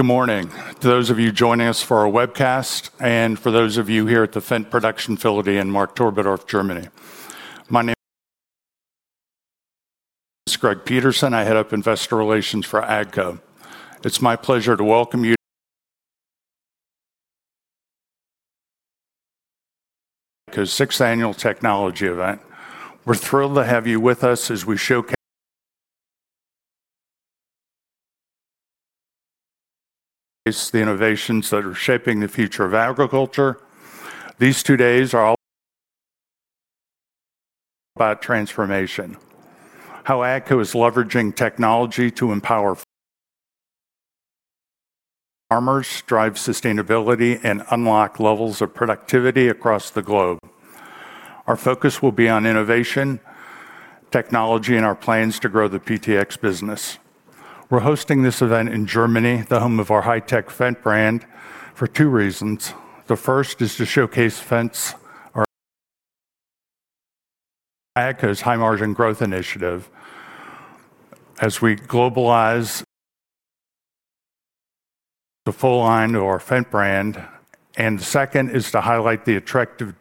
Good morning. To those of you joining us for our webcast and for those of you here at the Fendt production facility in Marktoberdorf, Germany. My name is Greg Peterson. I head up Investor Relations for AGCO. It's my pleasure to welcome you to AGCO's sixth annual technology event. We're thrilled to have you with us as we showcase the innovations that are shaping the future of agriculture. These two days are all about transformation, how AGCO is leveraging technology to empower farmers, drive sustainability, and unlock levels of productivity across the globe. Our focus will be on innovation, technology, and our plans to grow the PTx business. We're hosting this event in Germany, the home of our high-tech Fendt brand, for two reasons. The first is to showcase Fendt's AGCO's high-margin growth initiative as we globalize the full line of our Fendt brand. The second is to highlight the attractive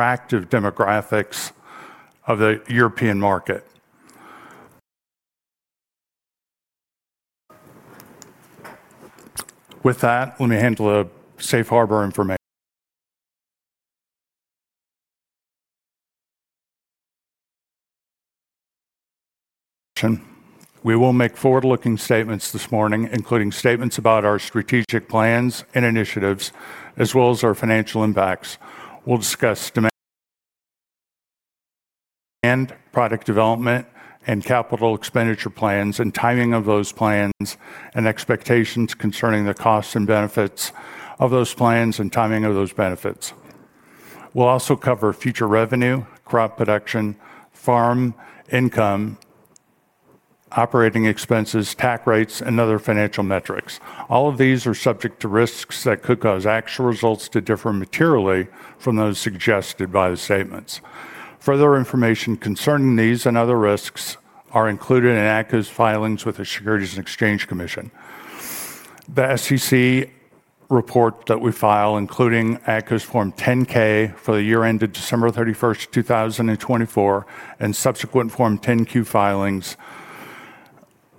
demographics of the European market. With that, let me handle a safe harbor information. We will make forward-looking statements this morning, including statements about our strategic plans and initiatives, as well as our financial impacts. We'll discuss demand and product development and capital expenditure plans and timing of those plans and expectations concerning the cost and benefits of those plans and timing of those benefits. We'll also cover future revenue, crop production, farm income, operating expenses, tax rates, and other financial metrics. All of these are subject to risks that could cause actual results to differ materially from those suggested by the statements. Further information concerning these and other risks is included in AGCO's filings with the Securities and Exchange Commission. The SEC report that we file, including AGCO's Form 10-K for the year ended December 31st, 2024, and subsequent Form 10-Q filings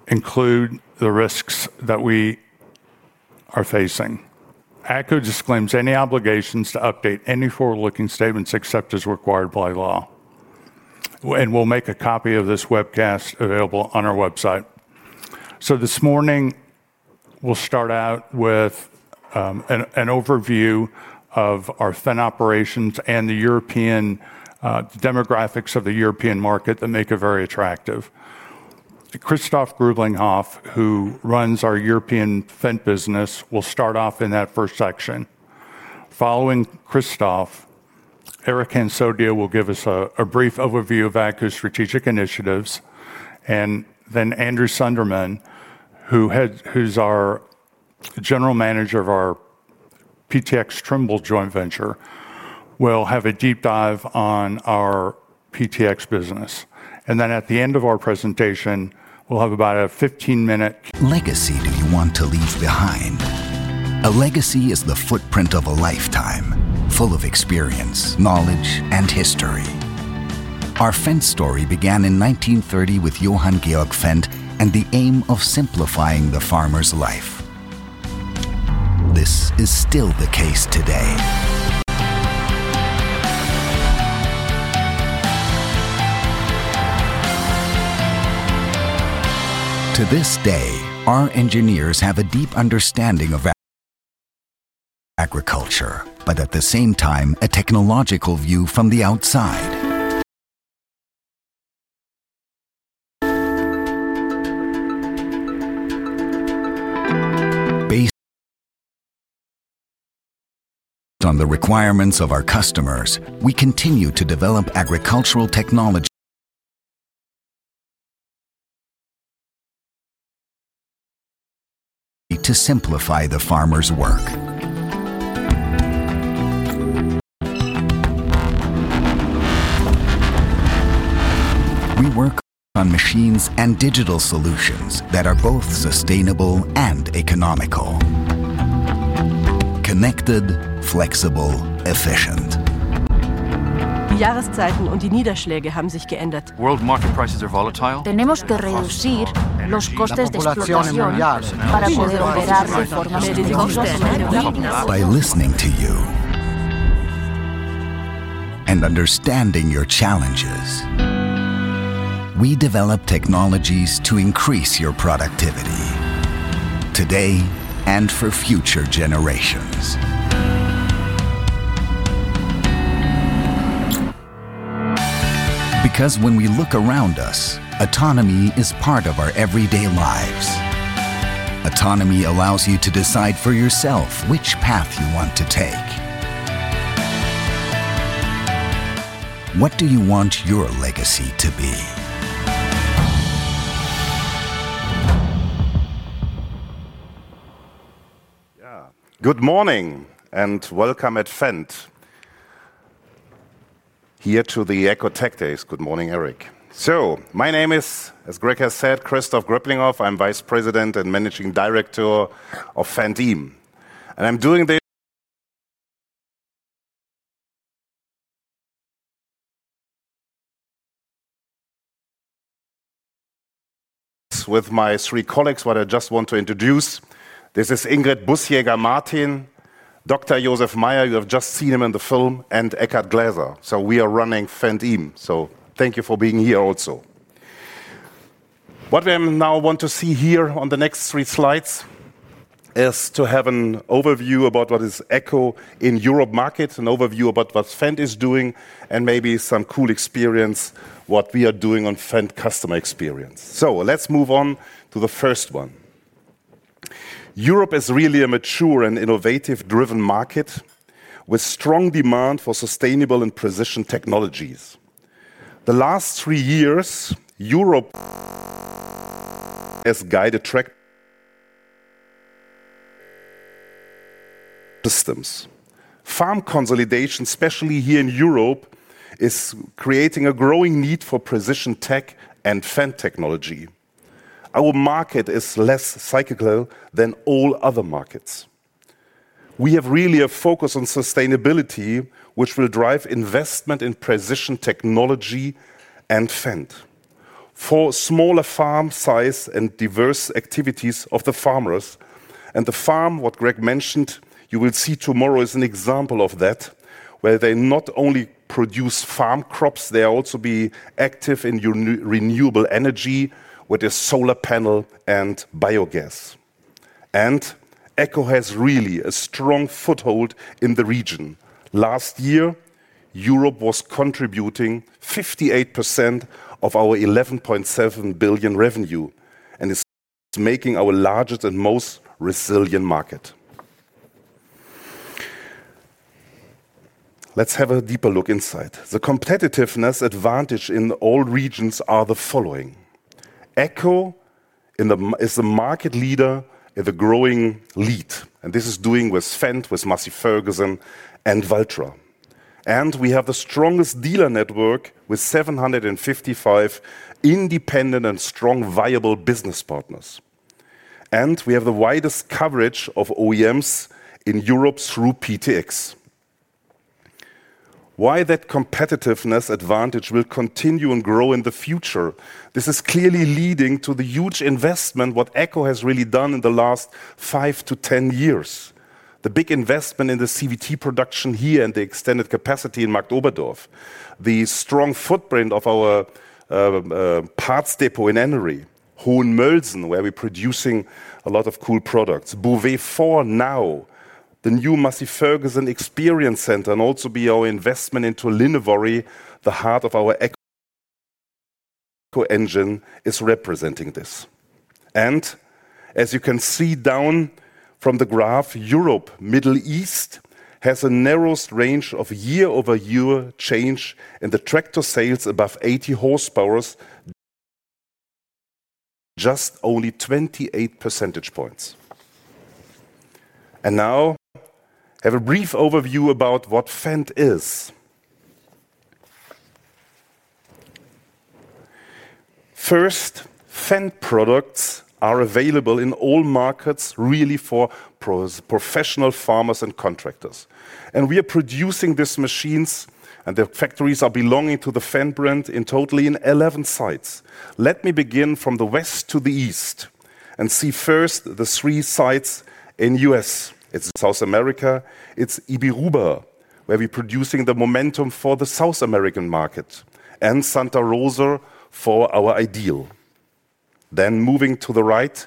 include the risks that we are facing. AGCO disclaims any obligations to update any forward-looking statements except as required by law. We'll make a copy of this webcast available on our website. This morning, we'll start out with an overview of our Fendt operations and the European demographics of the European market that make it very attractive. Christoph Gröblinghoff, who runs our European Fendt business, will start off in that first section. Following Christoph, Eric Hansotia will give us a brief overview of AGCO's strategic initiatives. Then Andrew Sunderman, who's our General Manager of our PTx Trimble joint venture, will have a deep dive on our PTx business. At the end of our presentation, we'll have about a 15-minute. Legacy do you want to leave behind? A legacy is the footprint of a lifetime, full of experience, knowledge, and history. Our Fendt story began in 1930 with Johann Georg Fendt and the aim of simplifying the farmer's life. This is still the case today. To this day, our engineers have a deep understanding of agriculture, but at the same time, a technological view from the outside. On the requirements of our customers, we continue to develop agricultural technology to simplify the farmer's work. We work on machines and digital solutions that are both sustainable and economical. Connected, flexible, efficient. We work on technology that enables our customers to reduce their costs by using sustainable technology. By listening to you and understanding your challenges, we develop technologies to increase your productivity today and for future generations. Because when we look around us, autonomy is part of our everyday lives. Autonomy allows you to decide for yourself which path you want to take. What do you want your legacy to be? Good morning and welcome at Fendt. Here to the AGCO Tech Days. Good morning, Eric. My name is, as Greg has said, Christoph Gröblinghoff. I'm Vice President and Managing Director of Fendt. I'm doing this with my three colleagues, who I just want to introduce. This is Ingrid Busjäger-Martin, Dr. Josef Meyer, you have just seen him in the film, and Eckhard Gleiser. We are running Fendt. Thank you for being here also. What I now want to see here on the next three slides is to have an overview about what is AGCO in Europe markets, an overview about what Fendt is doing, and maybe some cool experience, what we are doing on Fendt customer experience. Let's move on to the first one. Europe is really a mature and innovative driven market with strong demand for sustainable and precision technologies. The last three years, Europe has guided track systems. Farm consolidation, especially here in Europe, is creating a growing need for precision tech and Fendt technology. Our market is less cyclical than all other markets. We have really a focus on sustainability, which will drive investment in precision technology and Fendt. For smaller farm size and diverse activities of the farmers, and the farm, what Greg mentioned, you will see tomorrow is an example of that, where they not only produce farm crops, they are also active in renewable energy with a solar panel and biogas. AGCO has really a strong foothold in the region. Last year, Europe was contributing 58% of our $11.7 billion revenue and is making our largest and most resilient market. Let's have a deeper look inside. The competitiveness advantage in all regions is the following. AGCO is the market leader with a growing lead. This is doing with Fendt, with Massey Ferguson and Valtra. We have the strongest dealer network with 755 independent and strong viable business partners. We have the widest coverage of OEMs in Europe through PTx. Why that competitiveness advantage will continue and grow in the future, this is clearly leading to the huge investment, what AGCO has really done in the last 5-10 years. The big investment in the CVT production here and the extended capacity in Marktoberdorf, the strong footprint of our parts depot in Ennery, Hohenmölsen, where we're producing a lot of cool products. Beauvais 4 now, the new Massey Ferguson Experience Center, and also our investment into Linnévarie, the heart of our AGCO engine, is representing this. As you can see from the graph, Europe, Middle East, has the narrowest range of year-over-year change in the tractor sales above 80 horsepower, just only 28 percentage points. Now, I have a brief overview about what Fendt is. First, Fendt products are available in all markets, really for professional farmers and contractors. We are producing these machines, and the factories are belonging to the Fendt brand in total in 11 sites. Let me begin from the west to the east and see first the three sites in the U.S. It's South America. It's Ibirubá, where we're producing the Momentum for the South American market, and Santa Rosa for our IDEAL. Moving to the right,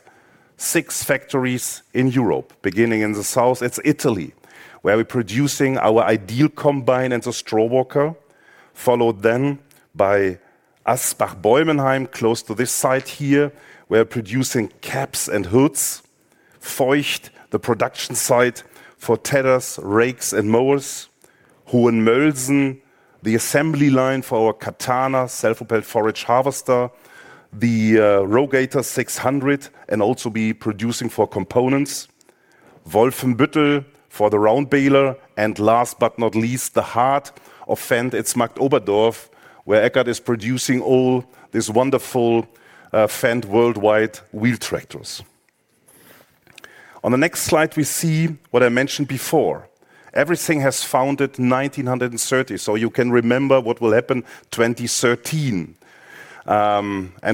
six factories in Europe, beginning in the South, it's Italy, where we're producing our IDEAL combine and the Strawhawker, followed then by Asbach-Bäumenheim, close to this site here, where we're producing cabs and hoods, Feucht, the production site for tedders, rakes, and mowers, Hohenmölsen, the assembly line for our Katana, self-propelled forage harvester, the Rogator 600, and also producing for components, Wolfenbüttel for the round baler, and last but not least, the heart of Fendt, it's Marktoberdorf, where Eckhard is producing all these wonderful Fendt worldwide wheel tractors. On the next slide, we see what I mentioned before. Everything was founded in 1930, so you can remember what will happen in 2030.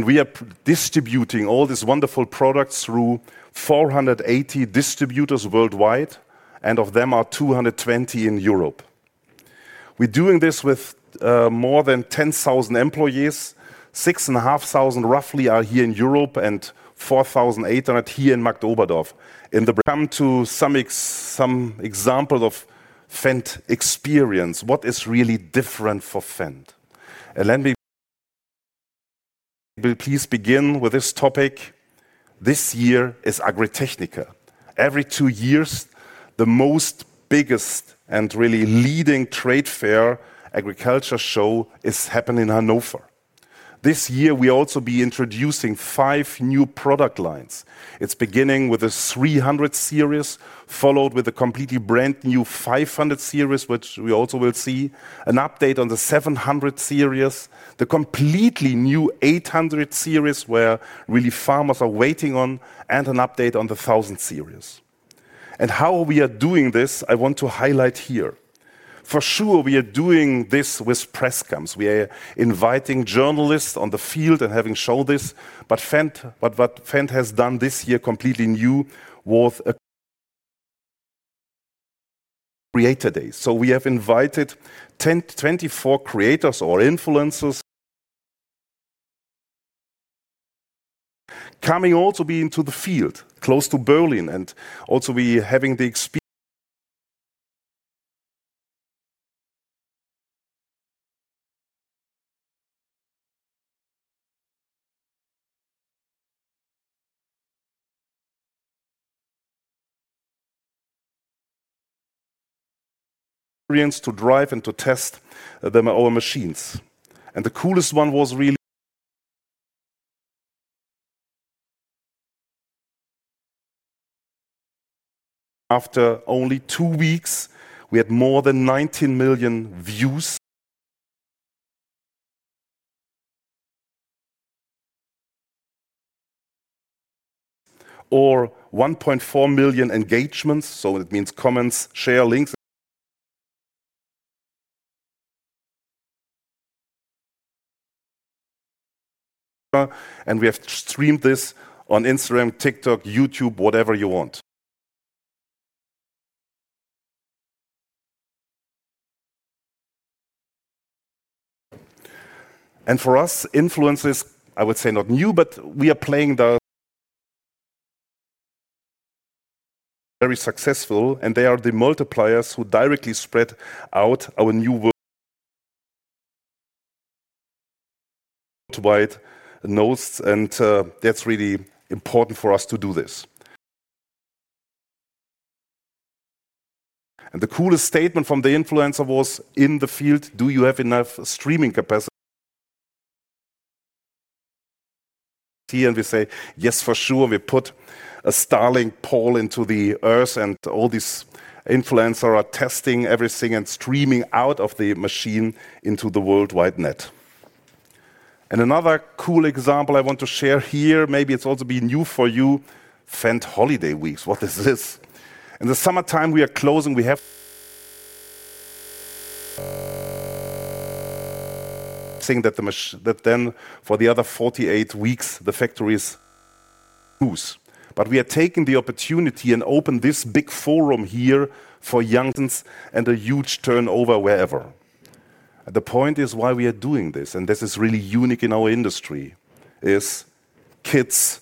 We are distributing all these wonderful products through 480 distributors worldwide, and of them are 220 in Europe. We're doing this with more than 10,000 employees. 6,500 roughly are here in Europe and 4,800 here in Marktoberdorf. Come to some examples of Fendt experience, what is really different for Fendt. Please begin with this topic. This year is Agritechnica. Every two years, the biggest and really leading trade fair agriculture show is happening in Hannover. This year, we're also introducing five new product lines. It's beginning with a 300 series, followed with a completely brand new 500 series, which we also will see, an update on the 700 series, the completely new 800 series where really farmers are waiting on, and an update on the 1,000 series. How we are doing this, I want to highlight here. For sure, we are doing this with press camps. We are inviting journalists on the field and having showed this, but Fendt has done this year completely new with Creator Days. We have invited 10-24 creators or influencers, all coming to be in the field, close to Berlin, and also having the experience to drive and to test our machines. The coolest one was really after only two weeks, we had more than 19 million views or 1.4 million engagements, so it means comments, share links. We have streamed this on Instagram, TikTok, YouTube, whatever you want. For us, influencers, I would say not new, but we are playing the, a very successful, and they are the multipliers who directly spread out our new. To buy it. That's really important for us to do this. The coolest statement from the influencer was, "In the field, do you have enough streaming capacity?" We say, "Yes, for sure." We put a Starlink pole into the earth, and all these influencers are testing everything and streaming out of the machine into the worldwide net. Another cool example I want to share here, maybe it's also been new for you, Fendt Holiday Weeks. What is this? In the summertime, we are closing. We have. Saying that the machine, that then for the other 48 weeks, the factories. We are taking the opportunity and open this big forum here for young and a huge turnover wherever. The point is why we are doing this, and this is really unique in our industry, is kids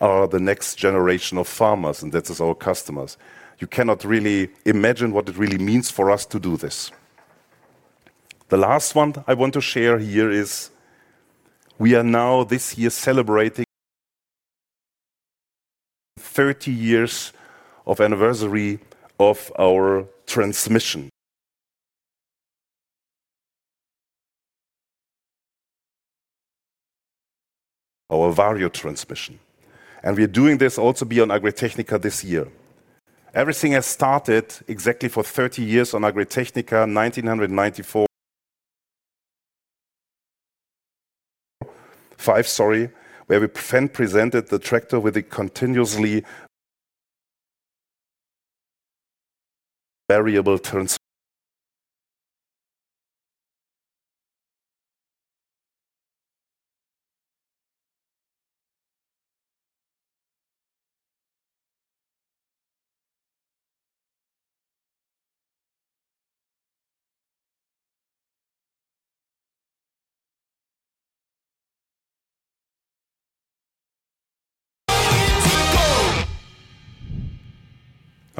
are the next generation of farmers, and this is our customers. You cannot really imagine what it really means for us to do this. The last one I want to share here is we are now this year celebrating 30 years of anniversary of our transmission, our Vario transmission. We are doing this also beyond Agritechnica this year. Everything has started exactly for 30 years on Agritechnica, 1994, 1995, sorry, where we Fendt presented the tractor with a continuously variable. Fantastic.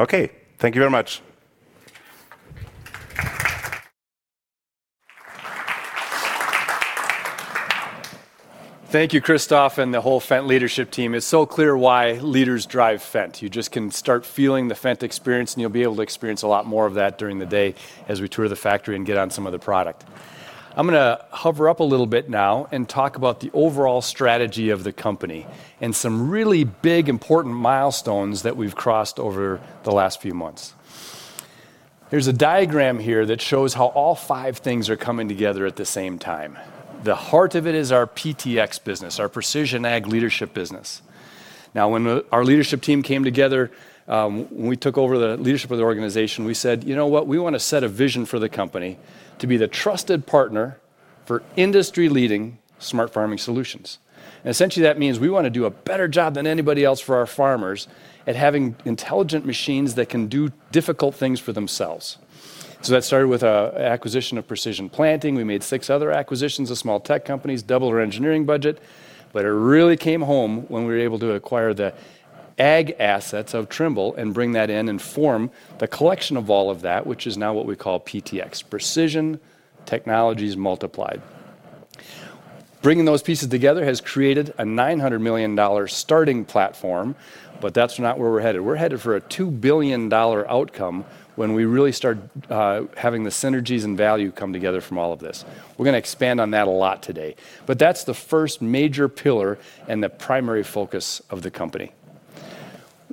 Okay, thank you very much. Thank you, Christoph, and the whole Fendt leadership team. It's so clear why leaders drive Fendt. You just can start feeling the Fendt experience, and you'll be able to experience a lot more of that during the day as we tour the factory and get on some of the product. I'm going to hover up a little bit now and talk about the overall strategy of the company and some really big, important milestones that we've crossed over the last few months. There's a diagram here that shows how all five things are coming together at the same time. The heart of it is our PTx business, our Precision Ag Leadership business. Now, when our leadership team came together, when we took over the leadership of the organization, we said, you know what, we want to set a vision for the company to be the trusted partner for industry-leading smart farming solutions. Essentially, that means we want to do a better job than anybody else for our farmers at having intelligent machines that can do difficult things for themselves. That started with an acquisition of Precision Planting. We made six other acquisitions of small tech companies, doubled our engineering budget, but it really came home when we were able to acquire the Ag assets of Trimble and bring that in and form the collection of all of that, which is now what we call PTx, Precision Technologies Multiplied. Bringing those pieces together has created a $900 million starting platform, but that's not where we're headed. We're headed for a $2 billion outcome when we really start having the synergies and value come together from all of this. We're going to expand on that a lot today, but that's the first major pillar and the primary focus of the company.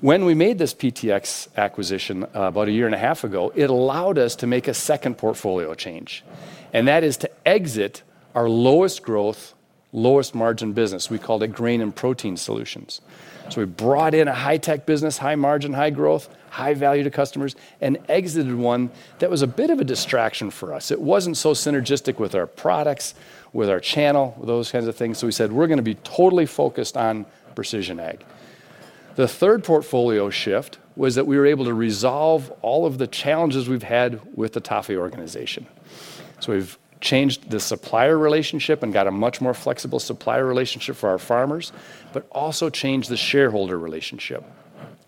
When we made this PTx acquisition about a year and a half ago, it allowed us to make a second portfolio change, and that is to exit our lowest growth, lowest margin business. We called it Grain and Protein Solutions. We brought in a high-tech business, high margin, high growth, high value to customers, and exited one that was a bit of a distraction for us. It wasn't so synergistic with our products, with our channel, those kinds of things. We said we're going to be totally focused on Precision Ag. The third portfolio shift was that we were able to resolve all of the challenges we've had with the Toffee organization. We changed the supplier relationship and got a much more flexible supplier relationship for our farmers, but also changed the shareholder relationship.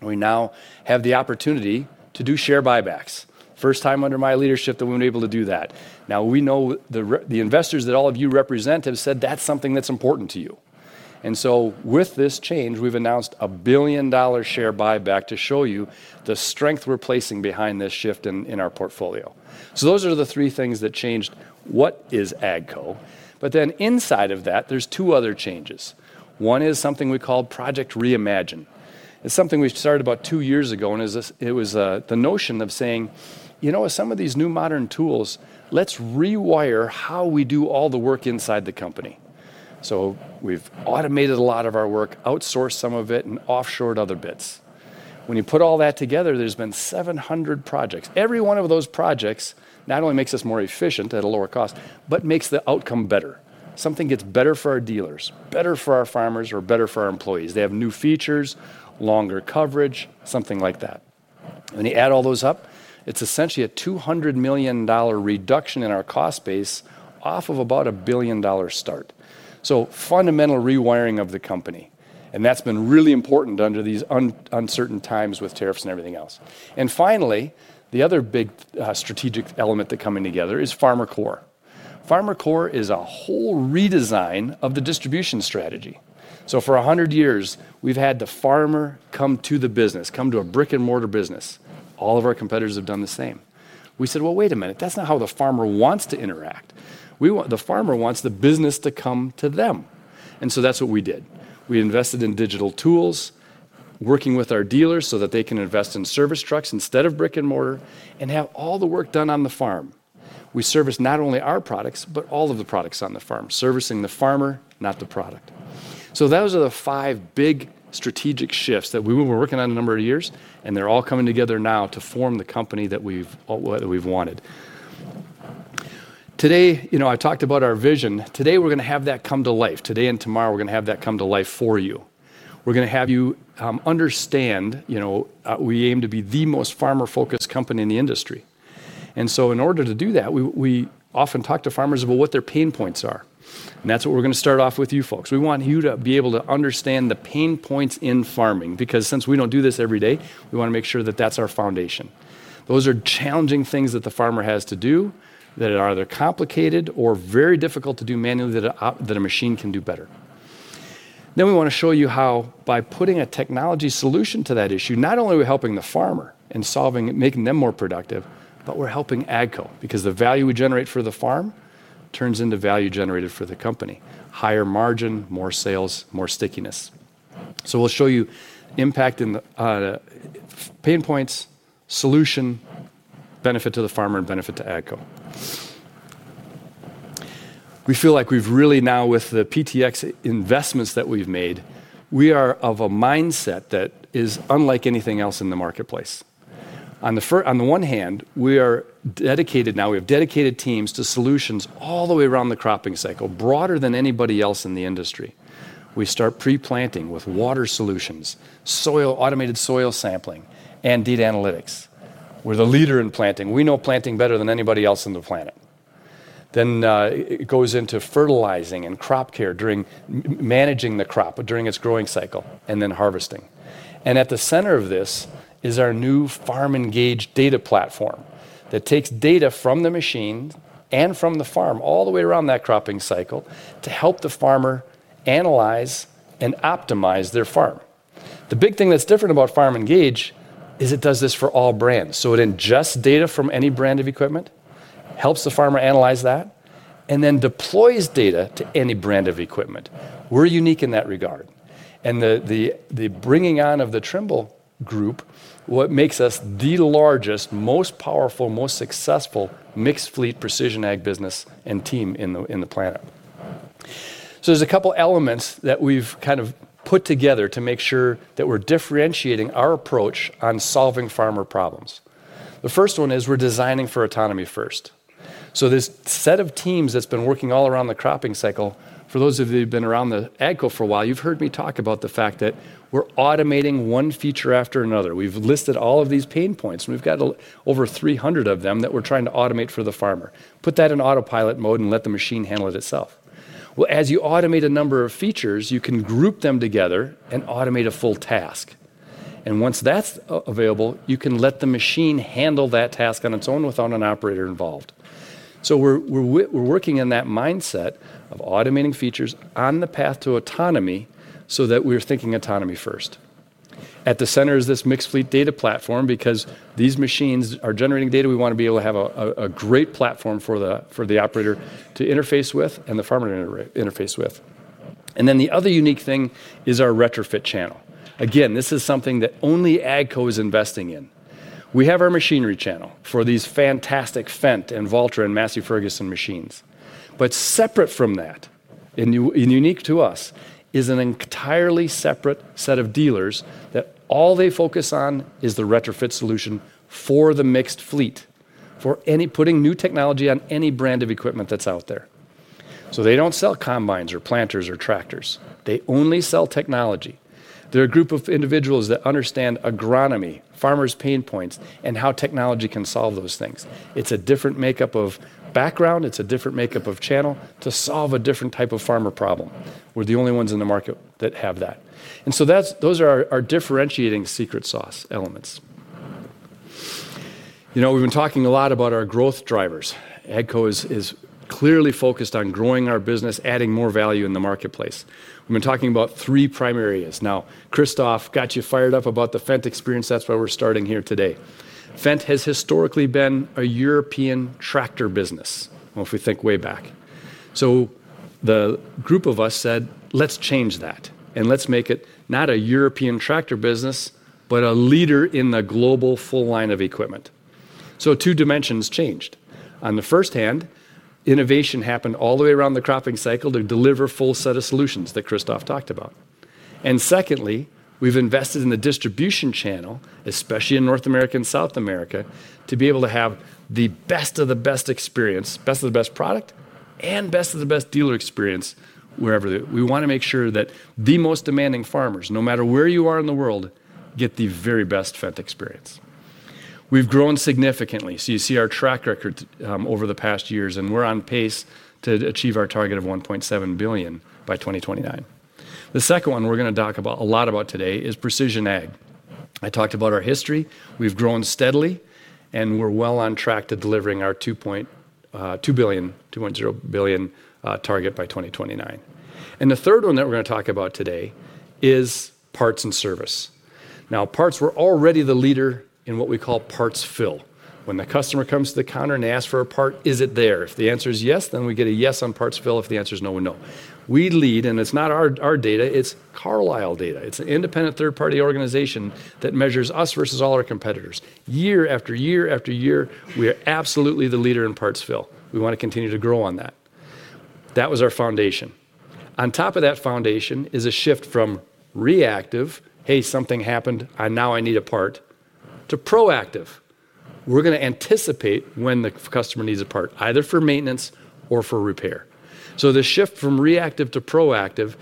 We now have the opportunity to do share buybacks. First time under my leadership that we're able to do that. Now we know the investors that all of you represent have said that's something that's important to you. With this change, we've announced a $1 billion share buyback to show you the strength we're placing behind this shift in our portfolio. Those are the three things that changed what is AGCO. Inside of that, there's two other changes. One is something we call Project Reimagine. It's something we started about two years ago, and it was the notion of saying, you know, with some of these new modern tools, let's rewire how we do all the work inside the company. We've automated a lot of our work, outsourced some of it, and offshored other bits. When you put all that together, there's been 700 projects. Every one of those projects not only makes us more efficient at a lower cost, but makes the outcome better. Something gets better for our dealers, better for our farmers, or better for our employees. They have new features, longer coverage, something like that. When you add all those up, it's essentially a $200 million reduction in our cost base off of about a $1 billion start. Fundamental rewiring of the company, and that's been really important under these uncertain times with tariffs and everything else. Finally, the other big strategic element that comes together is FarmerCore. FarmerCore is a whole redesign of the distribution strategy. For 100 years, we've had the farmer come to the business, come to a brick-and-mortar business. All of our competitors have done the same. We said, wait a minute, that's not how the farmer wants to interact. The farmer wants the business to come to them. That's what we did. We invested in digital tools, working with our dealers so that they can invest in service trucks instead of brick-and-mortar, and have all the work done on the farm. We service not only our products, but all of the products on the farm, servicing the farmer, not the product. Those are the five big strategic shifts that we were working on a number of years, and they're all coming together now to form the company that we've wanted. Today, you know, I talked about our vision. Today, we're going to have that come to life. Today and tomorrow, we're going to have that come to life for you. We're going to have you understand, you know, we aim to be the most farmer-focused company in the industry. In order to do that, we often talk to farmers about what their pain points are. That's what we're going to start off with you folks. We want you to be able to understand the pain points in farming, because since we don't do this every day, we want to make sure that that's our foundation. Those are challenging things that the farmer has to do that are either complicated or very difficult to do manually that a machine can do better. We want to show you how, by putting a technology solution to that issue, not only are we helping the farmer and making them more productive, but we're helping AGCO, because the value we generate for the farm turns into value generated for the company. Higher margin, more sales, more stickiness. We'll show you impact on pain points, solution, benefit to the farmer, and benefit to AGCO. We feel like we've really now, with the PTx investments that we've made, we are of a mindset that is unlike anything else in the marketplace. On the one hand, we are dedicated now, we have dedicated teams to solutions all the way around the cropping cycle, broader than anybody else in the industry. We start pre-planting with water solutions, automated soil sampling, and data analytics. We're the leader in planting. We know planting better than anybody else on the planet. It goes into fertilizing and crop care during managing the crop during its growing cycle and then harvesting. At the center of this is our new Farm Engage data platform that takes data from the machines and from the farm all the way around that cropping cycle to help the farmer analyze and optimize their farm. The big thing that's different about Farm Engage is it does this for all brands. It ingests data from any brand of equipment, helps the farmer analyze that, and then deploys data to any brand of equipment. We're unique in that regard. The bringing on of the Trimble group is what makes us the largest, most powerful, most successful mixed-fleet Precision Ag business and team on the planet. There are a couple of elements that we've kind of put together to make sure that we're differentiating our approach on solving farmer problems. The first one is we're designing for autonomy first. This set of teams that's been working all around the cropping cycle, for those of you who've been around AGCO for a while, you've heard me talk about the fact that we're automating one feature after another. We've listed all of these pain points, and we've got over 300 of them that we're trying to automate for the farmer. Put that in autopilot mode and let the machine handle it itself. As you automate a number of features, you can group them together and automate a full task. Once that's available, you can let the machine handle that task on its own without an operator involved. We're working in that mindset of automating features on the path to autonomy so that we're thinking autonomy first. At the center is this mixed-fleet data platform because these machines are generating data. We want to be able to have a great platform for the operator to interface with and the farmer to interface with. The other unique thing is our retrofit channel. This is something that only AGCO is investing in. We have our machinery channel for these fantastic Fendt and Valtra and Massey Ferguson machines. Separate from that, and unique to us, is an entirely separate set of dealers that all they focus on is the retrofit solution for the mixed fleet, for putting new technology on any brand of equipment that's out there. They don't sell combines or planters or tractors. They only sell technology. They're a group of individuals that understand agronomy, farmers' pain points, and how technology can solve those things. It's a different makeup of background. It's a different makeup of channel to solve a different type of farmer problem. We're the only ones in the market that have that. Those are our differentiating secret sauce elements. We've been talking a lot about our growth drivers. AGCO is clearly focused on growing our business, adding more value in the marketplace. We've been talking about three primary areas. Now, Christoph got you fired up about the Fendt experience. That's why we're starting here today. Fendt has historically been a European tractor business, If we think way back. The group of us said, let's change that and let's make it not a European tractor business, but a leader in the global full line of equipment. Two dimensions changed. On the first hand, innovation happened all the way around the cropping cycle to deliver a full set of solutions that Christoph talked about. Secondly, we've invested in the distribution channel, especially in North America and South America, to be able to have the best of the best experience, best of the best product, and best of the best dealer experience wherever we want to make sure that the most demanding farmers, no matter where you are in the world, get the very best Fendt experience. We've grown significantly. You see our track record over the past years, and we're on pace to achieve our target of $1.7 billion by 2029. The second one we're going to talk about a lot today is Precision Ag. I talked about our history. We've grown steadily, and we're well on track to delivering our $2.2 billion, $2.0 billion target by 2029. The third one that we're going to talk about today is parts and service. Now, parts, we're already the leader in what we call parts fill. When the customer comes to the counter and asks for a part, is it there? If the answer is yes, then we get a yes on parts fill. If the answer is no, we know. We lead, and it's not our data, it's Carlyle data. It's an independent third-party organization that measures us versus all our competitors. Year after year after year, we are absolutely the leader in parts fill. We want to continue to grow on that. That was our foundation. On top of that foundation is a shift from reactive, hey, something happened, now I need a part, to proactive. We're going to anticipate when the customer needs a part, either for maintenance or for repair. The shift from reactive to proactive,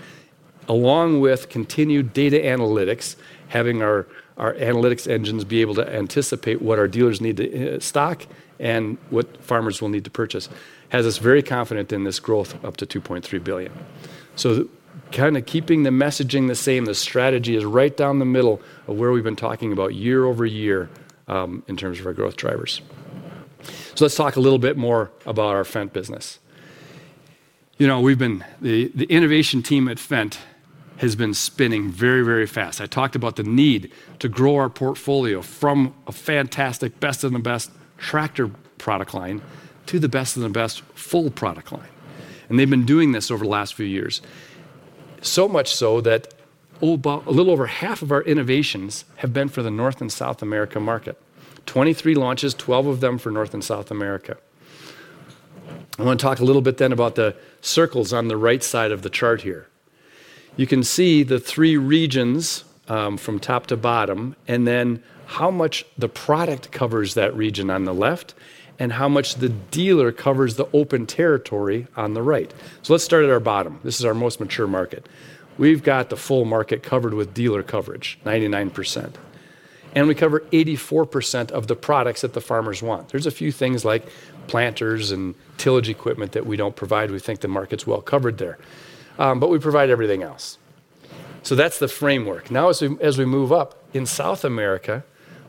along with continued data analytics, having our analytics engines be able to anticipate what our dealers need to stock and what farmers will need to purchase, has us very confident in this growth up to $2.3 billion. Kind of keeping the messaging the same, the strategy is right down the middle of where we've been talking about year over year in terms of our growth drivers. Let's talk a little bit more about our Fendt business. We've been, the innovation team at Fendt has been spinning very, very fast. I talked about the need to grow our portfolio from a fantastic best of the best tractor product line to the best of the best full product line. They've been doing this over the last few years, so much so that a little over half of our innovations have been for the North and South America market. Twenty-three launches, twelve of them for North and South America. I want to talk a little bit then about the circles on the right side of the chart here. You can see the three regions from top to bottom and then how much the product covers that region on the left and how much the dealer covers the open territory on the right. Let's start at our bottom. This is our most mature market. We've got the full market covered with dealer coverage, 99%. We cover 84% of the products that the farmers want. There's a few things like planters and tillage equipment that we don't provide. We think the market's well covered there, but we provide everything else. That's the framework. Now, as we move up in South America,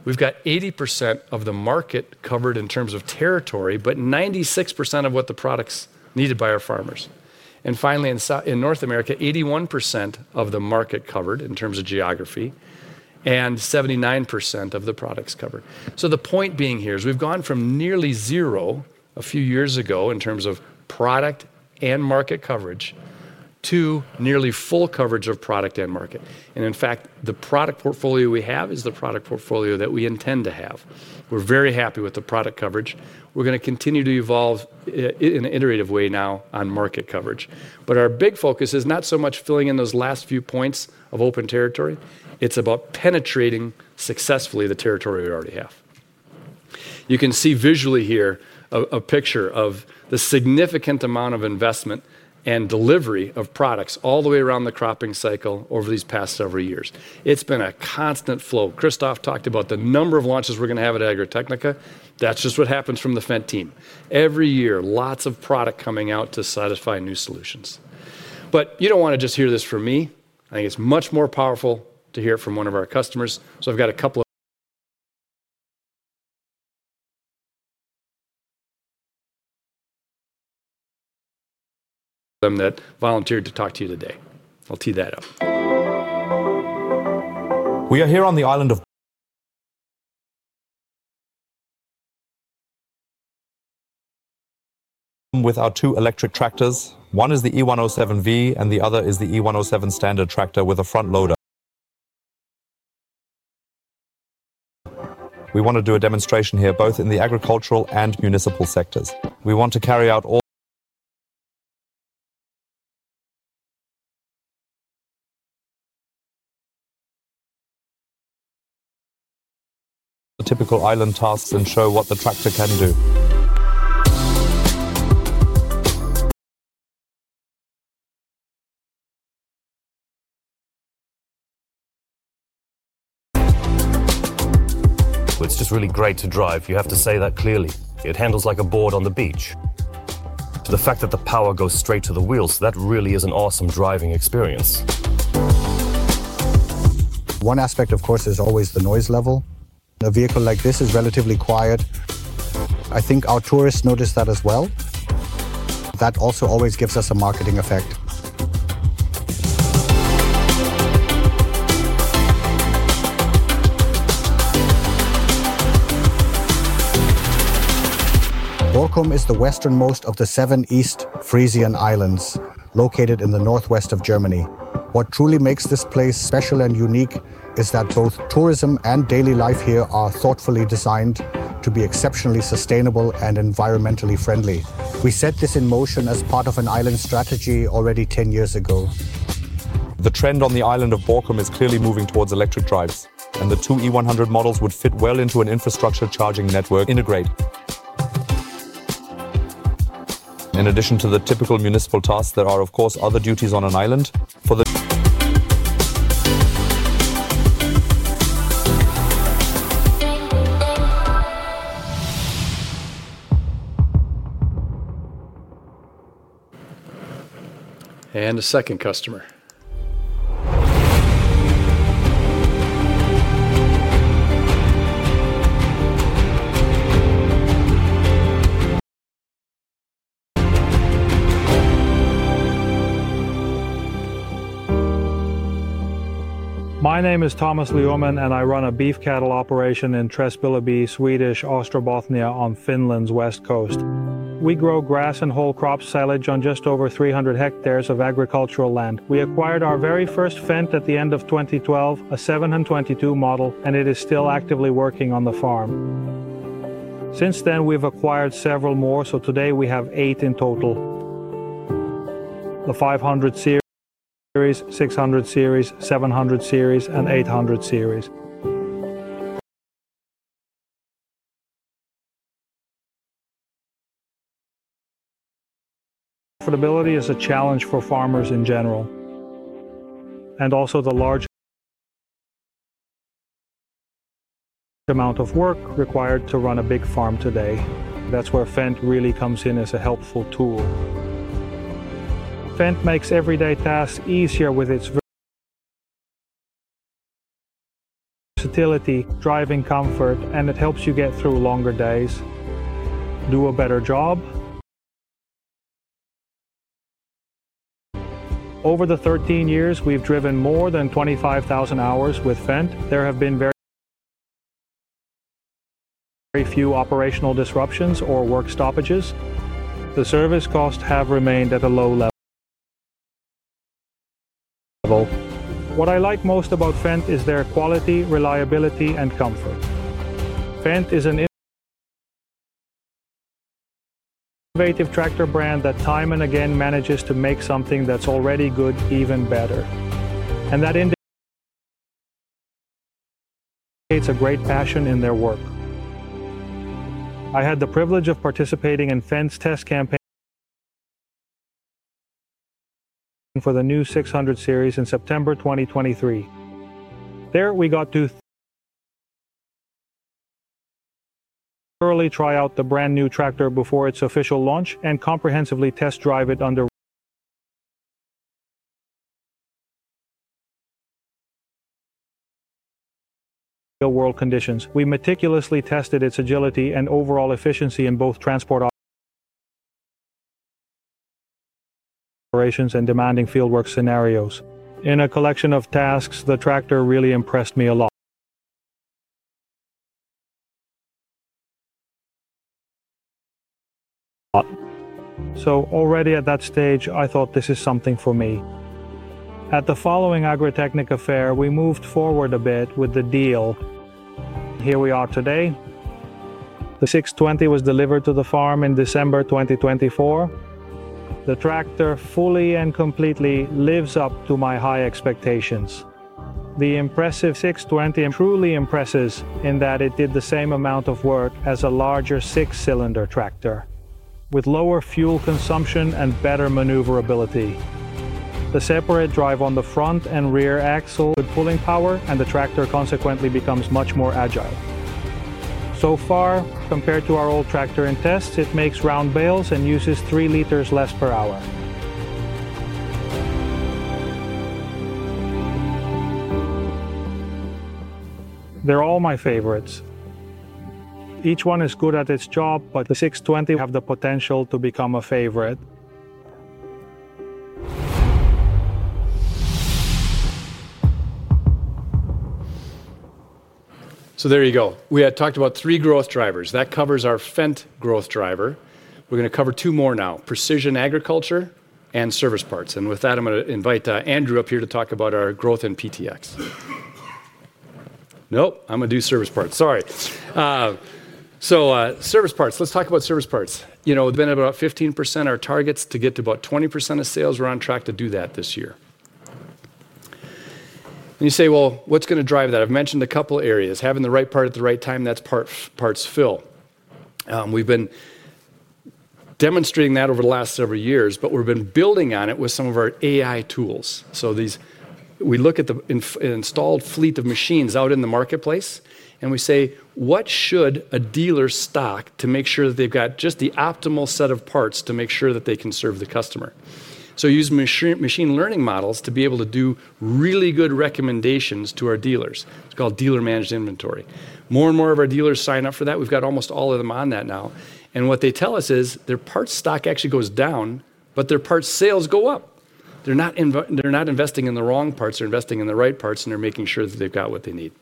we've got 80% of the market covered in terms of territory, but 96% of what the products needed by our farmers. Finally, in North America, 81% of the market covered in terms of geography and 79% of the products covered. The point being here is we've gone from nearly zero a few years ago in terms of product and market coverage to nearly full coverage of product and market. In fact, the product portfolio we have is the product portfolio that we intend to have. We're very happy with the product coverage. We're going to continue to evolve in an iterative way now on market coverage. Our big focus is not so much filling in those last few points of open territory. It's about penetrating successfully the territory we already have. You can see visually here a picture of the significant amount of investment and delivery of products all the way around the cropping cycle over these past several years. It's been a constant flow. Christoph talked about the number of launches we're going to have at Agritechnica. That's just what happens from the Fendt team. Every year, lots of product coming out to satisfy new solutions. You don't want to just hear this from me. I think it's much more powerful to hear it from one of our customers. I've got a couple of them that volunteered to talk to you today. I'll tee that up. We are here on the island of, with our two electric tractors, one is the E107V and the other is the E107 standard tractor with a front loader. We want to do a demonstration here both in the agricultural and municipal sectors. We want to carry out all the typical island tasks and show what the tractor can do. It's just really great to drive. You have to say that clearly. It handles like a board on the beach. To the fact that the power goes straight to the wheels, that really is an awesome driving experience. One aspect, of course, is always the noise level. A vehicle like this is relatively quiet. I think our tourists notice that as well. That also always gives us a marketing effect. Borkum is the westernmost of the seven East Frisian islands located in the northwest of Germany. What truly makes this place special and unique is that both tourism and daily life here are thoughtfully designed to be exceptionally sustainable and environmentally friendly. We set this in motion as part of an island strategy already 10 years ago. The trend on the island of Borkum is clearly moving towards electric drives, and the two E100 models would fit well into an integrated infrastructure charging network. In addition to the typical municipal tasks, there are, of course, other duties on an island for the. And a second customer. My name is Thomas Leoman, and I run a beef cattle operation in Tressviken, Swedish, Ostrobothnia, on Finland's west coast. We grow grass and whole crop silage on just over 300 hectares of agricultural land. We acquired our very first Fendt at the end of 2012, a 722 model, and it is still actively working on the farm. Since then, we've acquired several more, so today we have eight in total: the 500 Series, 600 Series, 700 Series, and 800 Series. Affordability is a challenge for farmers in general, and also the large amount of work required to run a big farm today. That's where Fendt really comes in as a helpful tool. Fendt makes everyday tasks easier with its versatility, driving comfort, and it helps you get through longer days, do a better job. Over the 13 years, we've driven more than 25,000 hours with Fendt. There have been very few operational disruptions or work stoppages. The service costs have remained at a low level. What I like most about Fendt is their quality, reliability, and comfort. Fendt is an innovative tractor brand that time and again manages to make something that's already good even better. That indicates a great passion in their work. I had the privilege of participating in Fendt's test campaign for the new 600 Series in September 2023. There, we got to thoroughly try out the brand new tractor before its official launch and comprehensively test drive it under real world conditions. We meticulously tested its agility and overall efficiency in both transport operations and demanding fieldwork scenarios. In a collection of tasks, the tractor really impressed me a lot. Already at that stage, I thought this is something for me. At the following Agritechnica affair, we moved forward a bit with the deal. Here we are today. The 620 was delivered to the farm in December 2024. The tractor fully and completely lives up to my high expectations. The impressive 620 truly impresses in that it did the same amount of work as a larger six-cylinder tractor, with lower fuel consumption and better maneuverability. The separate drive on the front and rear axle with pulling power, and the tractor consequently becomes much more agile. So far, compared to our old tractor in tests, it makes round bales and uses three liters less per hour. They're all my favorites. Each one is good at its job, but the 620 has the potential to become a favorite. There you go. We had talked about three growth drivers. That covers our Fendt growth driver. We're going to cover two more now: Precision Agriculture and service parts. With that, I'm going to invite Andrew up here to talk about our growth in PTx. Nope, I'm going to do service parts. Sorry. Service parts, let's talk about service parts. You know, we've been at about 15% of our targets to get to about 20% of sales. We're on track to do that this year. You say, what's going to drive that? I've mentioned a couple of areas. Having the right part at the right time, that's parts fill. We've been demonstrating that over the last several years, but we've been building on it with some of our AI tools. We look at the installed fleet of machines out in the marketplace, and we say, what should a dealer stock to make sure that they've got just the optimal set of parts to make sure that they can serve the customer? We use machine learning models to be able to do really good recommendations to our dealers. It's called dealer-managed inventory. More and more of our dealers sign up for that. We've got almost all of them on that now. What they tell us is their parts stock actually goes down, but their parts sales go up. They're not investing in the wrong parts. They're investing in the right parts, and they're making sure that they've got what they need.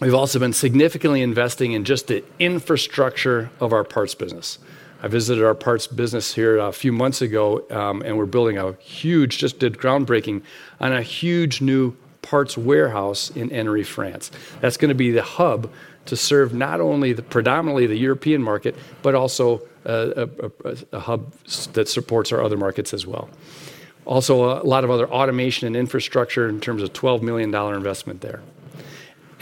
We've also been significantly investing in just the infrastructure of our parts business. I visited our parts business here a few months ago, and we're building a huge, just did groundbreaking on a huge new parts warehouse in Ennery, France. That's going to be the hub to serve not only predominantly the European market, but also a hub that supports our other markets as well. Also, a lot of other automation and infrastructure in terms of a $12 million investment there.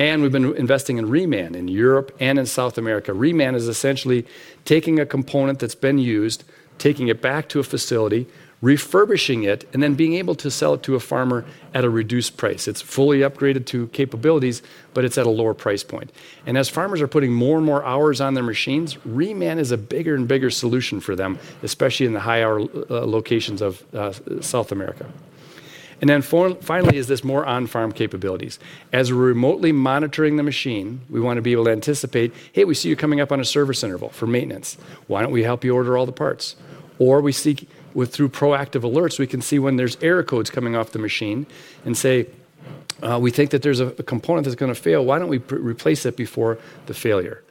We've been investing in Reman in Europe and in South America. Reman is essentially taking a component that's been used, taking it back to a facility, refurbishing it, and then being able to sell it to a farmer at a reduced price. It's fully upgraded to capabilities, but it's at a lower price point. As farmers are putting more and more hours on their machines, Reman is a bigger and bigger solution for them, especially in the higher locations of South America. Finally, this is more on-farm capabilities. As we're remotely monitoring the machine, we want to be able to anticipate, hey, we see you coming up on a service interval for maintenance. Why don't we help you order all the parts? We see through proactive alerts, we can see when there's error codes coming off the machine and say, we think that there's a component that's going to fail. Why don't we replace it before the failure?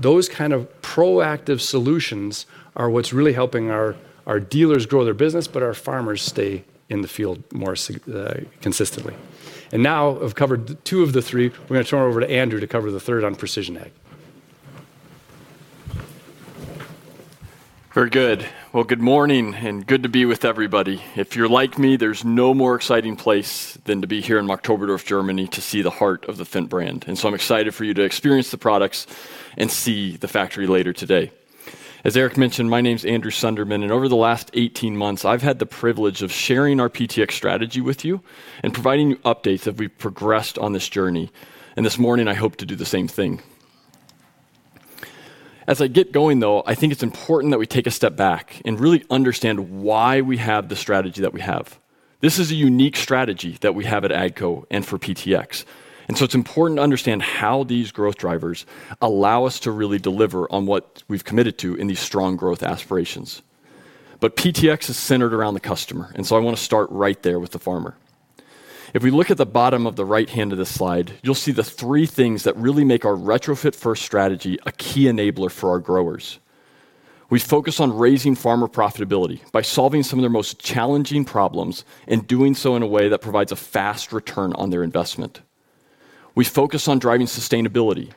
Those kind of proactive solutions are what's really helping our dealers grow their business, but our farmers stay in the field more consistently. Now I've covered two of the three. We're going to turn it over to Andrew to cover the third on Precision Ag. Very good. Good morning and good to be with everybody. If you're like me, there's no more exciting place than to be here in Marktoberdorf, Germany, to see the heart of the Fendt brand. I'm excited for you to experience the products and see the factory later today. As Eric mentioned, my name is Andrew Sunderman, and over the last 18 months, I've had the privilege of sharing our PTx strategy with you and providing you updates as we've progressed on this journey. This morning, I hope to do the same thing. As I get going, I think it's important that we take a step back and really understand why we have the strategy that we have. This is a unique strategy that we have at AGCO and for PTx. It's important to understand how these growth drivers allow us to really deliver on what we've committed to in these strong growth aspirations. PTx is centered around the customer, and I want to start right there with the farmer. If we look at the bottom of the right hand of this slide, you'll see the three things that really make our retrofit-first strategy a key enabler for our growers. We focus on raising farmer profitability by solving some of their most challenging problems and doing so in a way that provides a fast return on their investment. We focus on driving sustainability,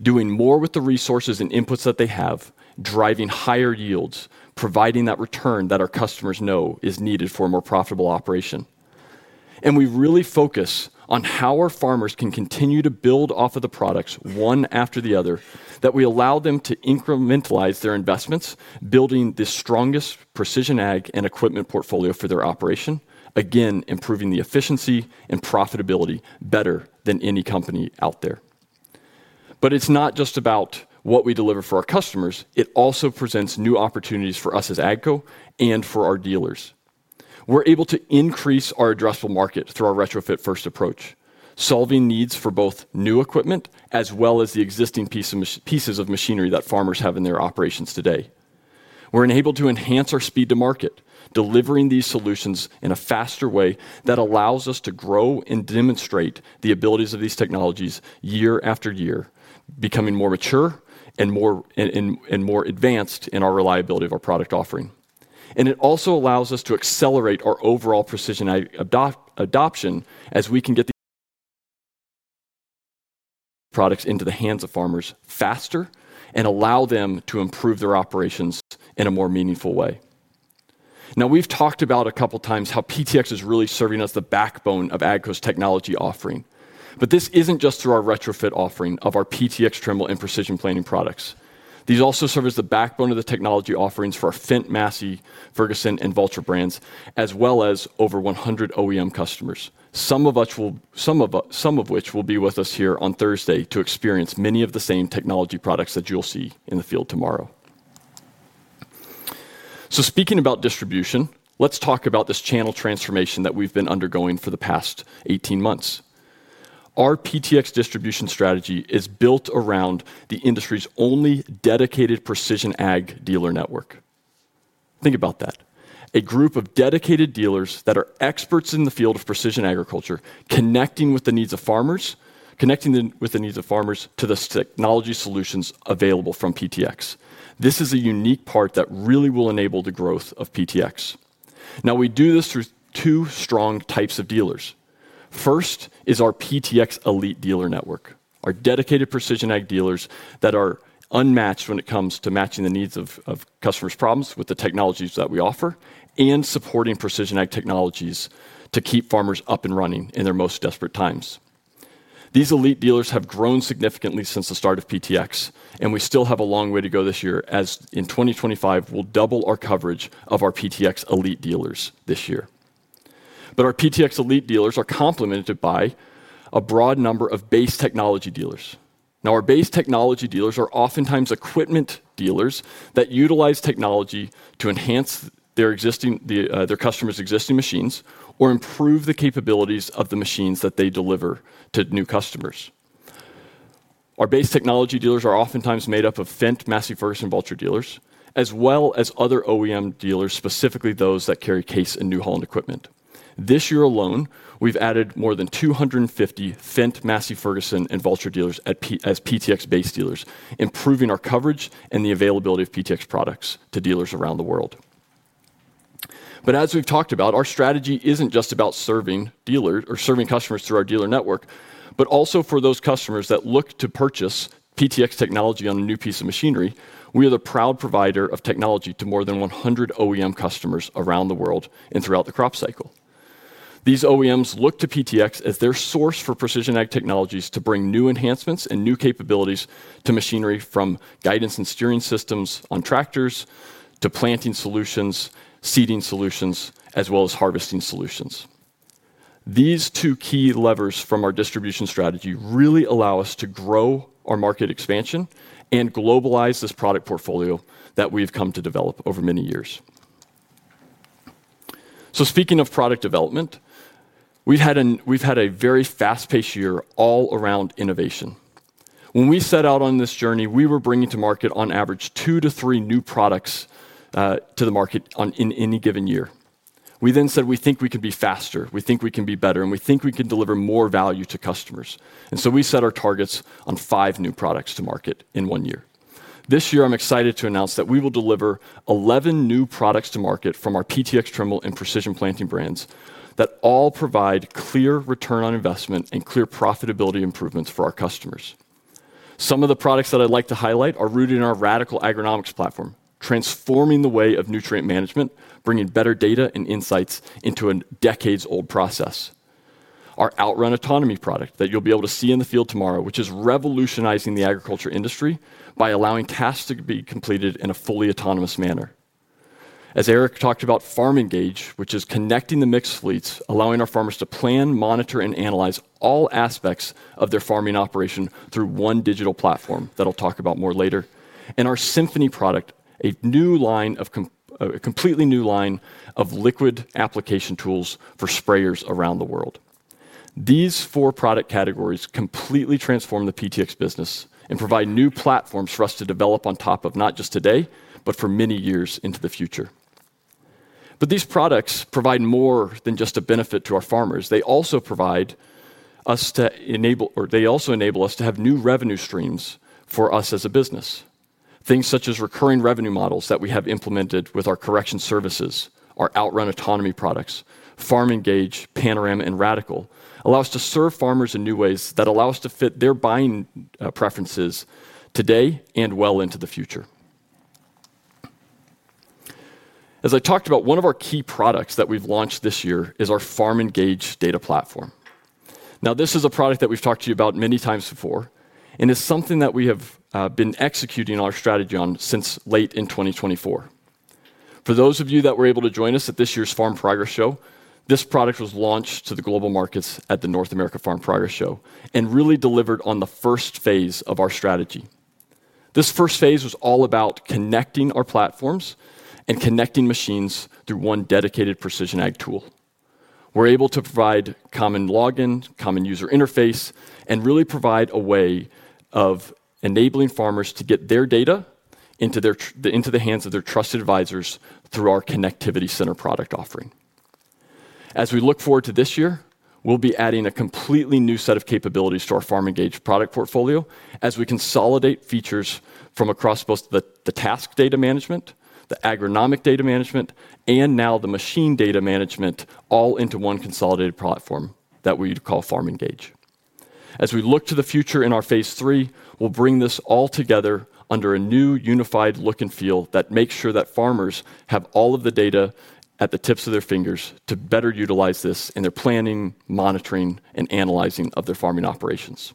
doing more with the resources and inputs that they have, driving higher yields, providing that return that our customers know is needed for a more profitable operation. We really focus on how our farmers can continue to build off of the products one after the other, that we allow them to incrementalize their investments, building the strongest Precision Ag and equipment portfolio for their operation, again improving the efficiency and profitability better than any company out there. It's not just about what we deliver for our customers. It also presents new opportunities for us as AGCO and for our dealers. We're able to increase our addressable market through our retrofit-first approach, solving needs for both new equipment as well as the existing pieces of machinery that farmers have in their operations today. We're enabled to enhance our speed to market, delivering these solutions in a faster way that allows us to grow and demonstrate the abilities of these technologies year after year, becoming more mature and more advanced in our reliability of our product offering. It also allows us to accelerate our overall precision adoption as we can get the products into the hands of farmers faster and allow them to improve their operations in a more meaningful way. We've talked about a couple of times how PTx is really serving as the backbone of AGCO's technology offering. This isn't just through our retrofit offering of our PTx Trimble, and Precision Planting products. These also serve as the backbone of the technology offerings for our Fendt, Massey Ferguson, and Valtra brands, as well as over 100 OEM customers, some of which will be with us here on Thursday to experience many of the same technology products that you'll see in the field tomorrow. Speaking about distribution, let's talk about this channel transformation that we've been undergoing for the past 18 months. Our PTx distribution strategy is built around the industry's only dedicated Precision Ag dealer network. Think about that. A group of dedicated dealers that are experts in the field of Precision Agriculture, connecting with the needs of farmers, connecting with the needs of farmers to the technology solutions available from PTx. This is a unique part that really will enable the growth of PTx. We do this through two strong types of dealers. First is our PTx Elite dealer network, our dedicated Precision Ag dealers that are unmatched when it comes to matching the needs of customers' problems with the technologies that we offer and supporting precision Ag technologies to keep farmers up and running in their most desperate times. These Elite dealers have grown significantly since the start of PTx, and we still have a long way to go this year, as in 2025, we'll double our coverage of our PTx Elite dealers this year. Our PTx Elite dealers are complemented by a broad number of base technology dealers. Our base technology dealers are oftentimes equipment dealers that utilize technology to enhance their existing machines or improve the capabilities of the machines that they deliver to new customers. Our base technology dealers are oftentimes made up of Fendt, Massey Ferguson, and Valtra dealers, as well as other OEM dealers, specifically those that carry Case and New Holland equipment. This year alone, we've added more than 250 Fendt, Massey Ferguson, and Valtra dealers as PTx base dealers, improving our coverage and the availability of PTx products to dealers around the world. As we've talked about, our strategy isn't just about serving customers through our dealer network, but also for those customers that look to purchase PTx technology on a new piece of machinery. We are the proud provider of technology to more than 100 OEM customers around the world and throughout the crop cycle. These OEMs look to PTx as their source for Precision Ag Technologies to bring new enhancements and new capabilities to machinery from guidance and steering systems on tractors to planting solutions, seeding solutions, as well as harvesting solutions. These two key levers from our distribution strategy really allow us to grow our market expansion and globalize this product portfolio that we've come to develop over many years. Speaking of product development, we've had a very fast-paced year all around innovation. When we set out on this journey, we were bringing to market on average two to three new products to the market in any given year. We then said, we think we could be faster, we think we can be better, and we think we could deliver more value to customers. We set our targets on five new products to market in one year. This year, I'm excited to announce that we will deliver 11 new products to market from our PTx Trimble, and Precision Planting brands that all provide clear return on investment and clear profitability improvements for our customers. Some of the products that I'd like to highlight are rooted in our Radicle Agronomics platform, transforming the way of nutrient management, bringing better data and insights into a decades-old process. Our OutRun Autonomy product that you'll be able to see in the field tomorrow is revolutionizing the agriculture industry by allowing tasks to be completed in a fully autonomous manner. As Eric talked about, Farm Engage is connecting the mixed fleets, allowing our farmers to plan, monitor, and analyze all aspects of their farming operation through one digital platform that I'll talk about more later. Our Symphony product is a completely new line of liquid application tools for sprayers around the world. These four product categories completely transform the PTx business and provide new platforms for us to develop on top of not just today, but for many years into the future. These products provide more than just a benefit to our farmers. They also enable us to have new revenue streams for us as a business. Things such as recurring revenue models that we have implemented with our correction services, our OutRun Autonomy products, Farm Engage, Panorama, and Radicle allow us to serve farmers in new ways that allow us to fit their buying preferences today and well into the future. As I talked about, one of our key products that we've launched this year is our Farm Engage data platform. Now, this is a product that we've talked to you about many times before, and it's something that we have been executing on our strategy on since late in 2024. For those of you that were able to join us at this year's Farm Progress Show, this product was launched to the global markets at the North America Farm Progress Show and really delivered on the first phase of our strategy. This first phase was all about connecting our platforms and connecting machines through one dedicated Precision Ag tool. We're able to provide common login, common user interface, and really provide a way of enabling farmers to get their data into the hands of their trusted advisors through our Connectivity Center product offering. As we look forward to this year, we'll be adding a completely new set of capabilities to our Farm Engage product portfolio as we consolidate features from across both the task data management, the agronomic data management, and now the machine data management all into one consolidated platform that we call Farm Engage. As we look to the future in our phase three, we'll bring this all together under a new unified look and feel that makes sure that farmers have all of the data at the tips of their fingers to better utilize this in their planning, monitoring, and analyzing of their farming operations.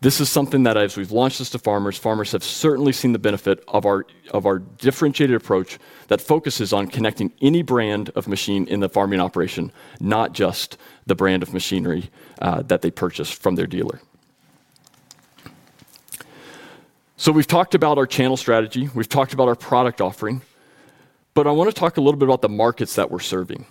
This is something that, as we've launched this to farmers, farmers have certainly seen the benefit of our differentiated approach that focuses on connecting any brand of machine in the farming operation, not just the brand of machinery that they purchase from their dealer. We've talked about our channel strategy. We've talked about our product offering. I want to talk a little bit about the markets that we're serving.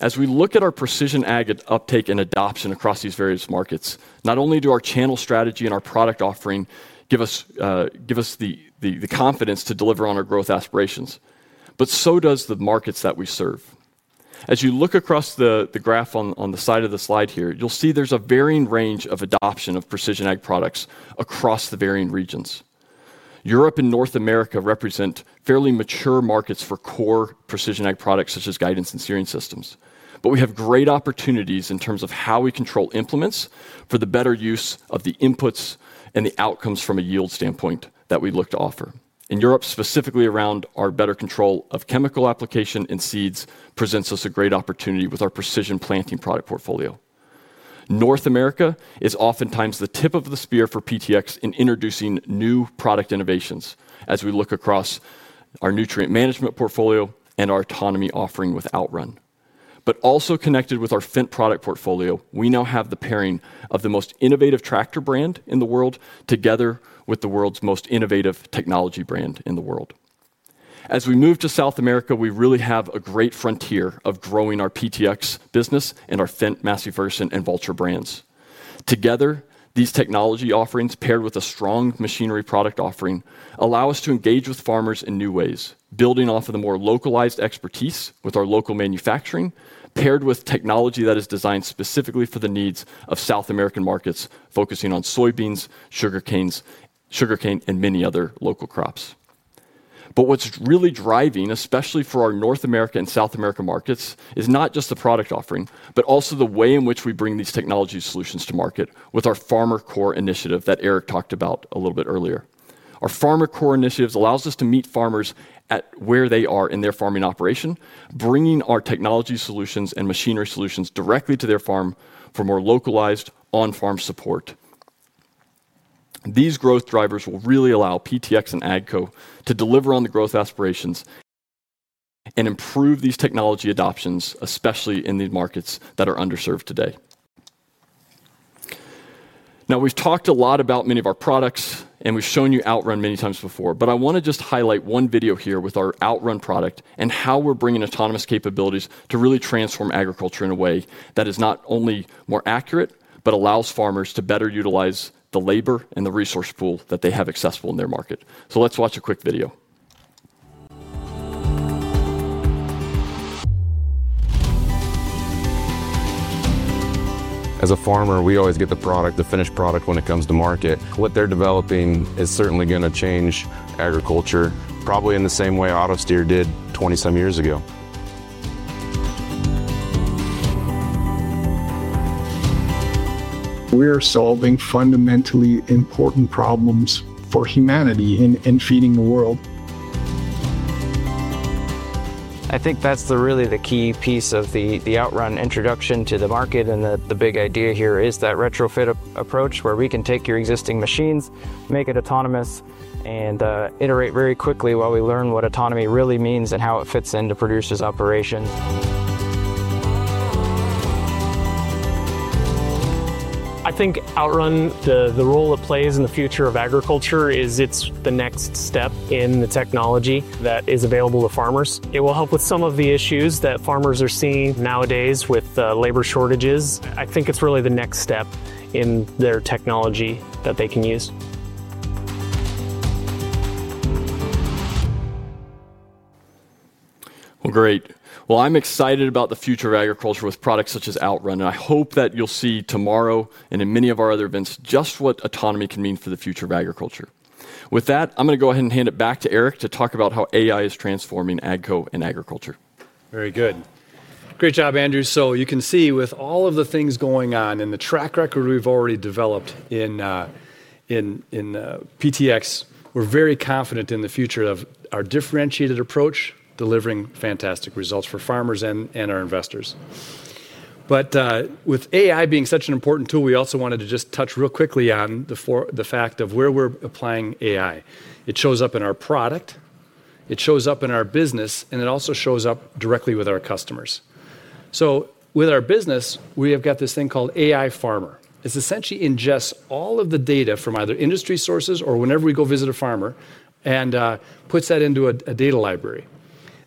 As we look at our Precision Ag uptake and adoption across these various markets, not only do our channel strategy and our product offering give us the confidence to deliver on our growth aspirations, but so do the markets that we serve. As you look across the graph on the side of the slide here, you'll see there's a varying range of adoption of Precision Ag products across the varying regions. Europe and North America represent fairly mature markets for core Precision Ag products such as guidance and steering systems. We have great opportunities in terms of how we control implements for the better use of the inputs and the outcomes from a yield standpoint that we look to offer. In Europe, specifically around our better control of chemical application and seeds, presents us a great opportunity with our Precision Planting product portfolio. North America is oftentimes the tip of the spear for PTx in introducing new product innovations as we look across our nutrient management portfolio and our autonomy offering with OutRun. Also connected with our Fendt product portfolio, we now have the pairing of the most innovative tractor brand in the world together with the world's most innovative technology brand in the world. As we move to South America, we really have a great frontier of growing our PTx business and our Fendt, Massey Ferguson, and Valtra brands. Together, these technology offerings paired with a strong machinery product offering allow us to engage with farmers in new ways, building off of the more localized expertise with our local manufacturing, paired with technology that is designed specifically for the needs of South American markets, focusing on soybeans, sugarcane, and many other local crops. What's really driving, especially for our North American and South American markets, is not just the product offering, but also the way in which we bring these technology solutions to market with our FarmerCore initiative that Eric Hansotia talked about a little bit earlier. Our FarmerCore initiative allows us to meet farmers where they are in their farming operation, bringing our technology solutions and machinery solutions directly to their farm for more localized on-farm support. These growth drivers will really allow PTx and AGCO Corporation to deliver on the growth aspirations and improve these technology adoptions, especially in the markets that are underserved today. Now, we've talked a lot about many of our products, and we've shown you OutRun many times before, but I want to just highlight one video here with our OutRun product and how we're bringing autonomous capabilities to really transform agriculture in a way that is not only more accurate, but allows farmers to better utilize the labor and the resource pool that they have accessible in their market. Let's watch a quick video. As a farmer, we always get the product, the finished product when it comes to market. What they're developing is certainly going to change agriculture, probably in the same way Autosteer did 20 some years ago. We are solving fundamentally important problems for humanity and feeding the world. I think that's really the key piece of the OutRun introduction to the market. The big idea here is that retrofit-first approach where we can take your existing machines, make it autonomous, and iterate very quickly while we learn what autonomy really means and how it fits into producers' operations. I think OutRun, the role it plays in the future of agriculture, is it's the next step in the technology that is available to farmers. It will help with some of the issues that farmers are seeing nowadays with labor shortages. I think it's really the next step in their technology that they can use. I'm excited about the future of agriculture with products such as OutRun, and I hope that you'll see tomorrow and in many of our other events just what autonomy can mean for the future of agriculture. With that, I'm going to go ahead and hand it back to Eric to talk about how AI is transforming AGCO and agriculture. Very good. Great job, Andrew. You can see with all of the things going on and the track record we've already developed in PTx, we're very confident in the future of our differentiated approach delivering fantastic results for farmers and our investors. With AI being such an important tool, we also wanted to just touch real quickly on the fact of where we're applying AI. It shows up in our product, it shows up in our business, and it also shows up directly with our customers. With our business, we have got this thing called AI Farmer. It essentially ingests all of the data from either industry sources or whenever we go visit a farmer and puts that into a data library.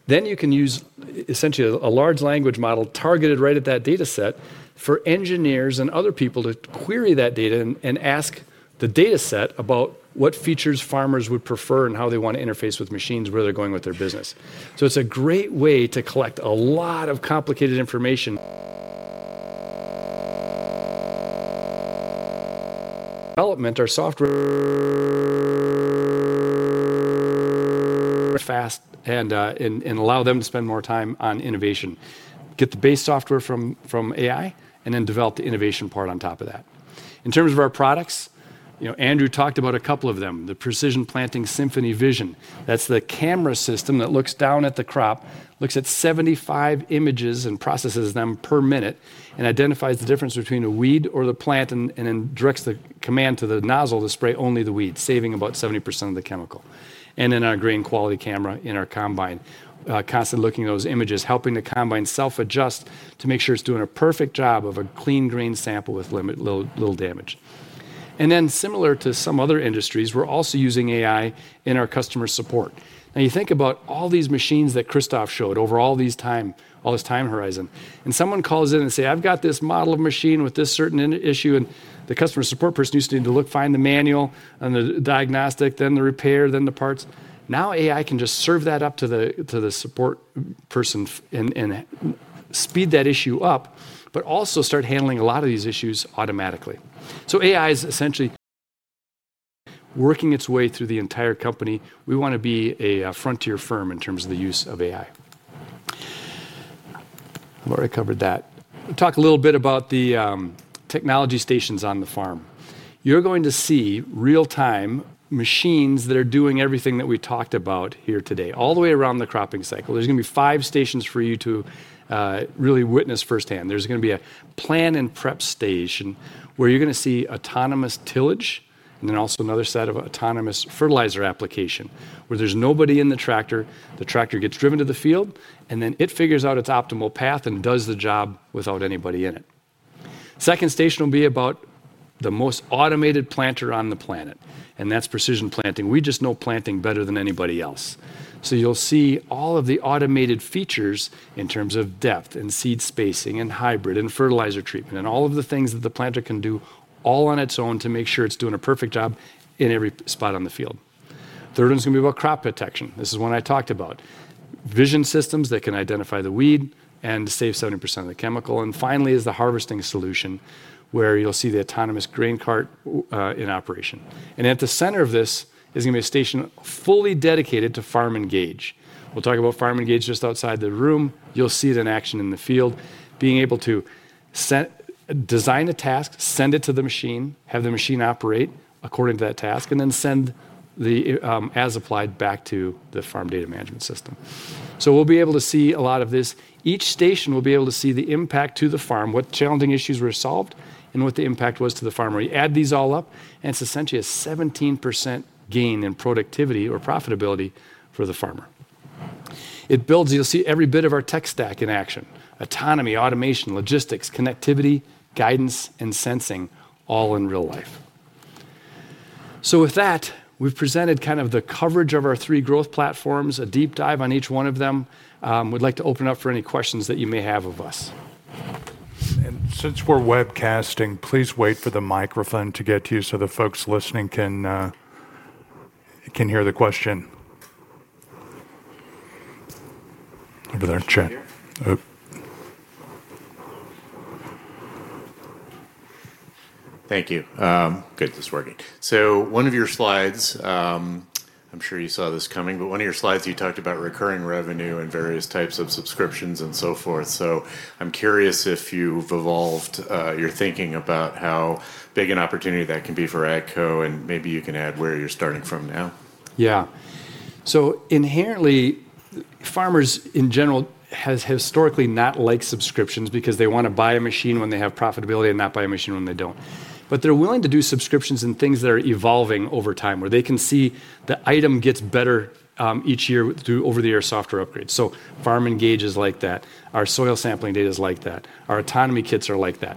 You can use essentially a large language model targeted right at that data set for engineers and other people to query that data and ask the data set about what features farmers would prefer and how they want to interface with machines, where they're going with their business. It's a great way to collect a lot of complicated information. Development or software fast and allow them to spend more time on innovation. Get the base software from AI and then develop the innovation part on top of that. In terms of our products, you know, Andrew talked about a couple of them, the Precision Planting SymphonyVision. That's the camera system that looks down at the crop, looks at 75 images and processes them per minute and identifies the difference between the weed or the plant and then directs the command to the nozzle to spray only the weed, saving about 70% of the chemical. Our grain quality camera in our combine is constantly looking at those images, helping the combine self-adjust to make sure it's doing a perfect job of a clean grain sample with little damage. Similar to some other industries, we're also using AI in our customer support. You think about all these machines that Christoph showed over all this time, all this time horizon, and someone calls in and says, "I've got this model of machine with this certain issue," and the customer support person used to need to look, find the manual, and the diagnostic, then the repair, then the parts. Now AI can just serve that up to the support person and speed that issue up, but also start handling a lot of these issues automatically. AI is essentially working its way through the entire company. We want to be a frontier firm in terms of the use of AI. I've already covered that. Talk a little bit about the technology stations on the farm. You're going to see real-time machines that are doing everything that we talked about here today, all the way around the cropping cycle. There's going to be five stations for you to really witness firsthand. There's going to be a plan and prep station where you're going to see autonomous tillage and then also another set of autonomous fertilizer application where there's nobody in the tractor. The tractor gets driven to the field, and then it figures out its optimal path and does the job without anybody in it. The second station will be about the most automated planter on the planet, and that's Precision Planting. We just know planting better than anybody else. You'll see all of the automated features in terms of depth and seed spacing and hybrid and fertilizer treatment and all of the things that the planter can do all on its own to make sure it's doing a perfect job in every spot on the field. The third one's going to be about crop detection. This is one I talked about. Vision systems that can identify the weed and save 70% of the chemical. Finally, is the harvesting solution where you'll see the autonomous grain cart in operation. At the center of this is going to be a station fully dedicated to Farm Engage. We'll talk about Farm Engage just outside the room. You'll see it in action in the field, being able to design a task, send it to the machine, have the machine operate according to that task, and then send the as applied back to the farm data management system. We'll be able to see a lot of this. Each station will be able to see the impact to the farm, what challenging issues were solved, and what the impact was to the farmer. You add these all up, and it's essentially a 17% gain in productivity or profitability for the farmer. It builds, you'll see every bit of our tech stack in action: autonomy, automation, logistics, connectivity, guidance, and sensing, all in real life. With that, we've presented kind of the coverage of our three growth platforms, a deep dive on each one of them. We'd like to open up for any questions that you may have of us. Since we're webcasting, please wait for the microphone to get to you so the folks listening can hear the question. Over there, Chad. Thank you. Good, this is working. One of your slides, I'm sure you saw this coming, but one of your slides you talked about recurring revenue and various types of subscriptions and so forth. I'm curious if you've evolved your thinking about how big an opportunity that can be for AGCO, and maybe you can add where you're starting from now. Yeah. Inherently, farmers in general have historically not liked subscriptions because they want to buy a machine when they have profitability and not buy a machine when they don't. They're willing to do subscriptions and things that are evolving over time where they can see the item gets better each year through over-the-air software upgrades. Farm Engage is like that. Our soil sampling data is like that. Our autonomy kits are like that.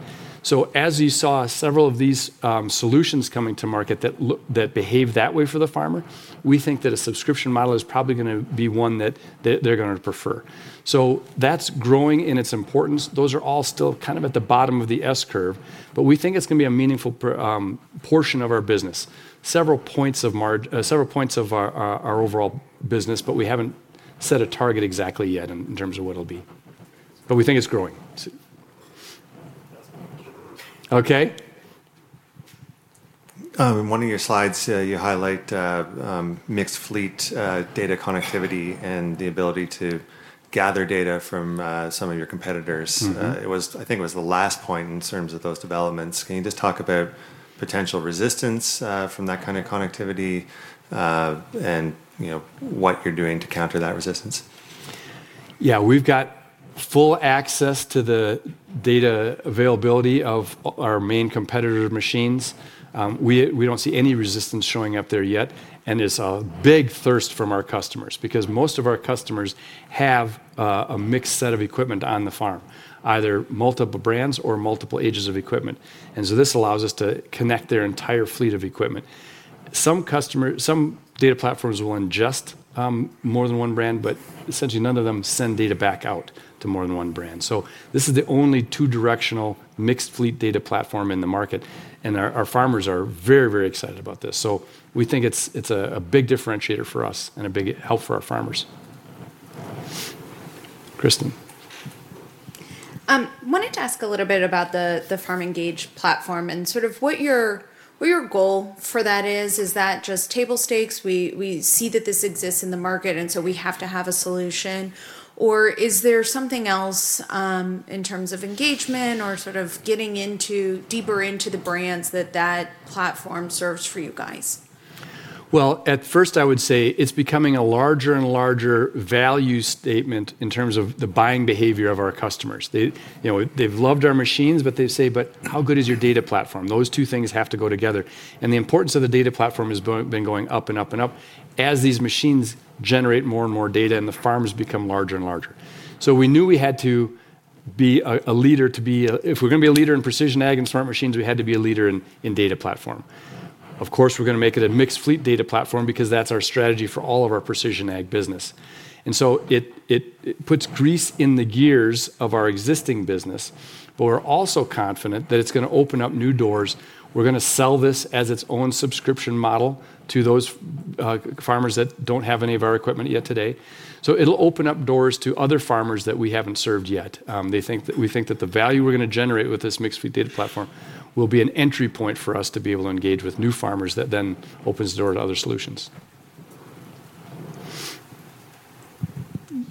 As you saw several of these solutions coming to market that behave that way for the farmer, we think that a subscription model is probably going to be one that they're going to prefer. That's growing in its importance. Those are all still kind of at the bottom of the S curve, but we think it's going to be a meaningful portion of our business. Several points of our overall business, but we haven't set a target exactly yet in terms of what it'll be. We think it's growing. Okay. In one of your slides, you highlight mixed-fleet data connectivity and the ability to gather data from some of your competitors. I think it was the last point in terms of those developments. Can you just talk about potential resistance from that kind of connectivity and what you're doing to counter that resistance? Yeah, we've got full access to the data availability of our main competitor machines. We don't see any resistance showing up there yet. It's a big thirst from our customers because most of our customers have a mixed set of equipment on the farm, either multiple brands or multiple ages of equipment. This allows us to connect their entire fleet of equipment. Some data platforms will ingest more than one brand, but essentially none of them send data back out to more than one brand. This is the only two-directional mixed-fleet data platform in the market. Our farmers are very, very excited about this. We think it's a big differentiator for us and a big help for our farmers. Kristen. I wanted to ask a little bit about the Farm Engage platform and sort of what your goal for that is. Is that just table stakes? We see that this exists in the market and so we have to have a solution. Is there something else in terms of engagement or sort of getting deeper into the brands that that platform serves for you guys? I would say it's becoming a larger and larger value statement in terms of the buying behavior of our customers. They've loved our machines, but they say, but how good is your data platform? Those two things have to go together. The importance of the data platform has been going up and up and up as these machines generate more and more data and the farms become larger and larger. We knew we had to be a leader to be, if we're going to be a leader in Precision Ag and smart machines, we had to be a leader in data platform. Of course, we're going to make it a mixed-fleet data platform because that's our strategy for all of our Precision Ag business. It puts grease in the gears of our existing business, but we're also confident that it's going to open up new doors. We're going to sell this as its own subscription model to those farmers that don't have any of our equipment yet today. It'll open up doors to other farmers that we haven't served yet. We think that the value we're going to generate with this mixed-fleet data platform will be an entry point for us to be able to engage with new farmers that then opens the door to other solutions.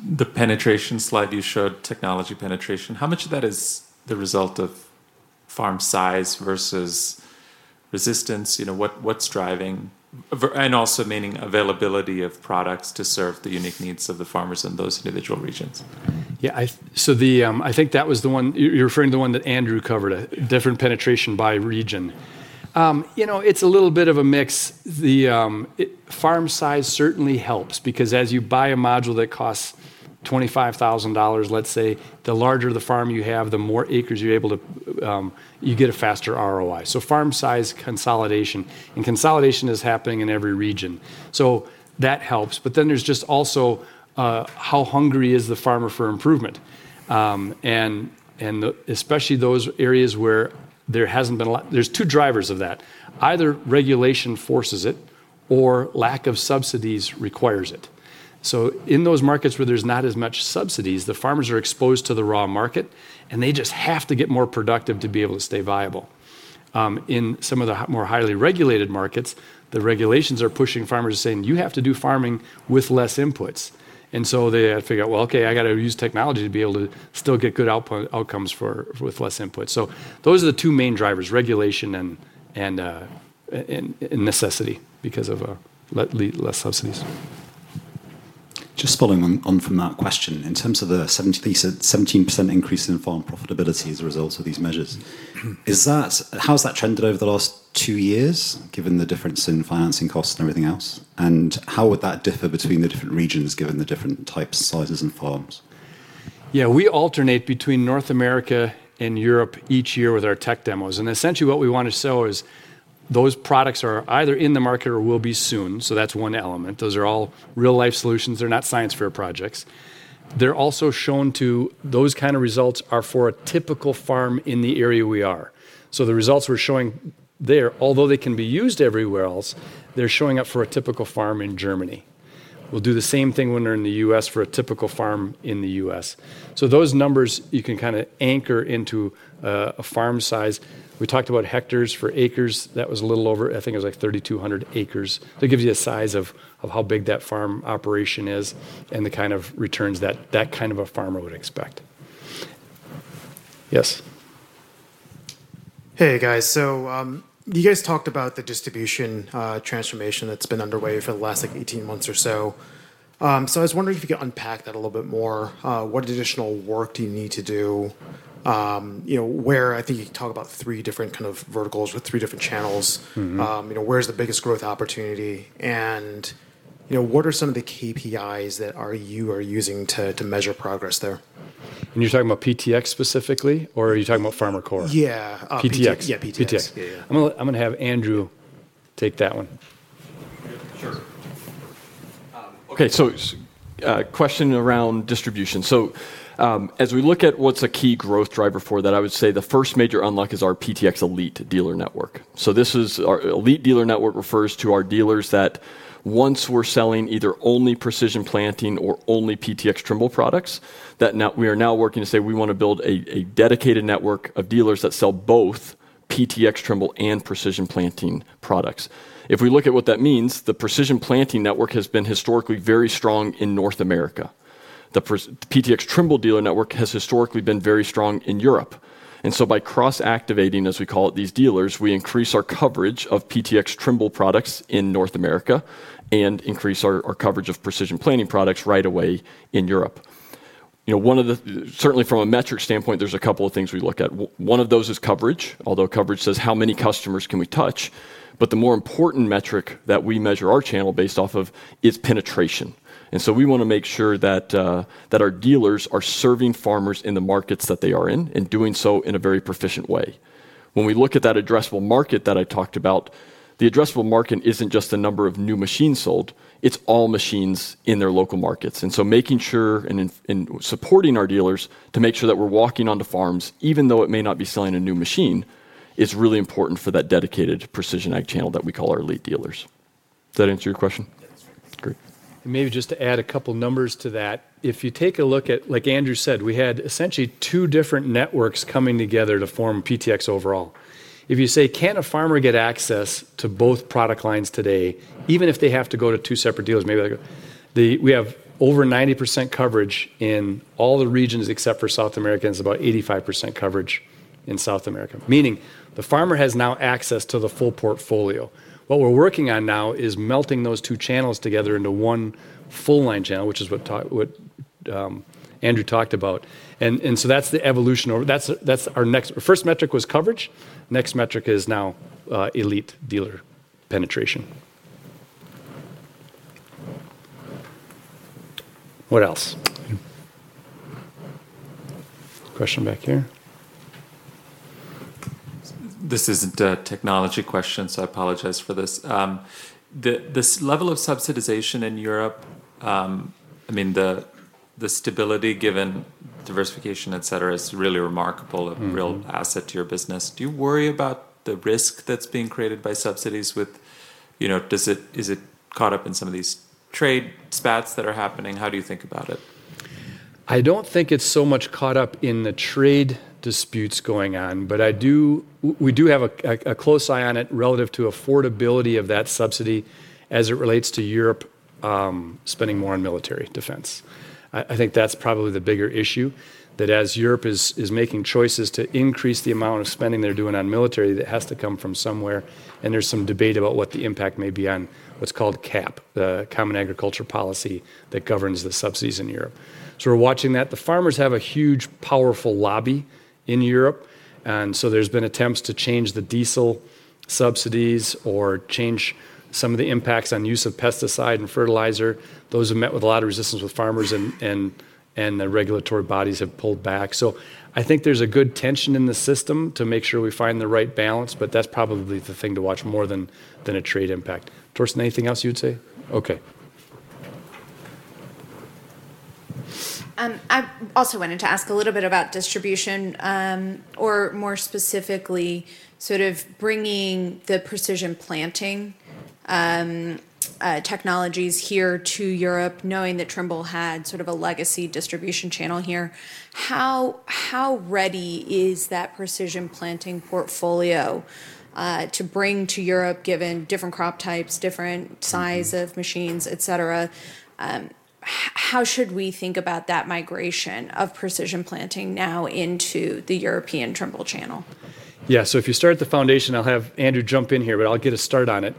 The penetration slide you showed, technology penetration, how much of that is the result of farm size versus resistance? What's driving and also meaning availability of products to serve the unique needs of the farmers in those individual regions? Yeah, so I think that was the one, you're referring to the one that Andrew covered, a different penetration by region. It's a little bit of a mix. The farm size certainly helps because as you buy a module that costs $25,000, let's say, the larger the farm you have, the more acres you're able to, you get a faster ROI. Farm size consolidation, and consolidation is happening in every region. That helps. There's just also how hungry is the farmer for improvement? Especially those areas where there hasn't been a lot, there are two drivers of that. Either regulation forces it or lack of subsidies requires it. In those markets where there's not as much subsidies, the farmers are exposed to the raw market, and they just have to get more productive to be able to stay viable. In some of the more highly regulated markets, the regulations are pushing farmers to say, you have to do farming with less inputs. They have to figure out, okay, I got to use technology to be able to still get good outcomes with less input. Those are the two main drivers: regulation and necessity because of less subsidies. Just following on from that question, in terms of the 17%, you said 17% increase in farm profitability as a result of these measures. Is that, how's that trended over the last two years, given the difference in financing costs and everything else? How would that differ between the different regions, given the different types, sizes, and farms? We alternate between North America and Europe each year with our tech demos. Essentially, what we want to show is those products are either in the market or will be soon. That's one element. Those are all real-life solutions. They're not science fair projects. They're also shown to, those kind of results are for a typical farm in the area we are. The results we're showing there, although they can be used everywhere else, they're showing up for a typical farm in Germany. We'll do the same thing when we're in the U.S. for a typical farm in the U.S. Those numbers you can kind of anchor into a farm size. We talked about hectares for acres. That was a little over, I think it was like 3,200 acres. That gives you a size of how big that farm operation is and the kind of returns that that kind of a farmer would expect. Yes? Hey guys, you talked about the distribution transformation that's been underway for the last 18 months or so. I was wondering if you could unpack that a little bit more. What additional work do you need to do? I think you talk about three different verticals with three different channels. Where's the biggest growth opportunity? What are some of the KPIs that you are using to measure progress there? Are you talking about PTx specifically, or are you talking about FarmerCore? Yeah. PTx. Yeah, PTx. I'm going to have Andrew take that one. Okay, a question around distribution. As we look at what's a key growth driver for that, I would say the first major unlock is our PTx Elite dealer network. This is our Elite dealer network, which refers to our dealers that once were selling either only Precision Planting or only PTx Trimble products, that now we are working to build a dedicated network of dealers that sell both PTx Trimble and Precision Planting products. If we look at what that means, the Precision Planting network has been historically very strong in North America. The PTx Trimble dealer network has historically been very strong in Europe. By cross-activating, as we call it, these dealers, we increase our coverage of PTx Trimble products in North America and increase our coverage of Precision Planting products right away in Europe. Certainly from a metric standpoint, there's a couple of things we look at. One of those is coverage, although coverage says how many customers we can touch. The more important metric that we measure our channel based off of is penetration. We want to make sure that our dealers are serving farmers in the markets that they are in and doing so in a very proficient way. When we look at that addressable market that I talked about, the addressable market isn't just the number of new machines sold, it's all machines in their local markets. Making sure and supporting our dealers to make sure that we're walking onto farms, even though it may not be selling a new machine, is really important for that dedicated Precision Ag channel that we call our elite dealers. Does that answer your question? Maybe just to add a couple of numbers to that, if you take a look at, like Andrew said, we had essentially two different networks coming together to form PTx overall. If you say, can a farmer get access to both product lines today, even if they have to go to two separate dealers, maybe we have over 90% coverage in all the regions except for South America, and it's about 85% coverage in South America. Meaning the farmer has now access to the full portfolio. What we're working on now is melting those two channels together into one full-line channel, which is what Andrew talked about. That's the evolution. Our next first metric was coverage. Next metric is now elite dealer penetration. What else? Question back here? This isn't a technology question, so I apologize for this. The level of subsidization in Europe, I mean, the stability given diversification, etc., is really remarkable, a real asset to your business. Do you worry about the risk that's being created by subsidies with, you know, is it caught up in some of these trade spats that are happening? How do you think about it? I don't think it's so much caught up in the trade disputes going on, but we do have a close eye on it relative to affordability of that subsidy as it relates to Europe spending more on military defense. I think that's probably the bigger issue, that as Europe is making choices to increase the amount of spending they're doing on military, it has to come from somewhere. There's some debate about what the impact may be on what's called CAP, the Common Agriculture Policy that governs the subsidies in Europe. We're watching that. The farmers have a huge, powerful lobby in Europe, and there's been attempts to change the diesel subsidies or change some of the impacts on use of pesticide and fertilizer. Those have met with a lot of resistance with farmers, and the regulatory bodies have pulled back. I think there's a good tension in the system to make sure we find the right balance, but that's probably the thing to watch more than a trade impact. Torsten, anything else you'd say? Okay. I also wanted to ask a little bit about distribution, or more specifically, sort of bringing the Precision Planting technologies here to Europe, knowing that Trimble had sort of a legacy distribution channel here. How ready is that Precision Planting portfolio to bring to Europe, given different crop types, different size of machines, et cetera? How should we think about that migration of Precision Planting now into the European Trimble channel? Yeah, if you start at the foundation, I'll have Andrew jump in here, but I'll get a start on it.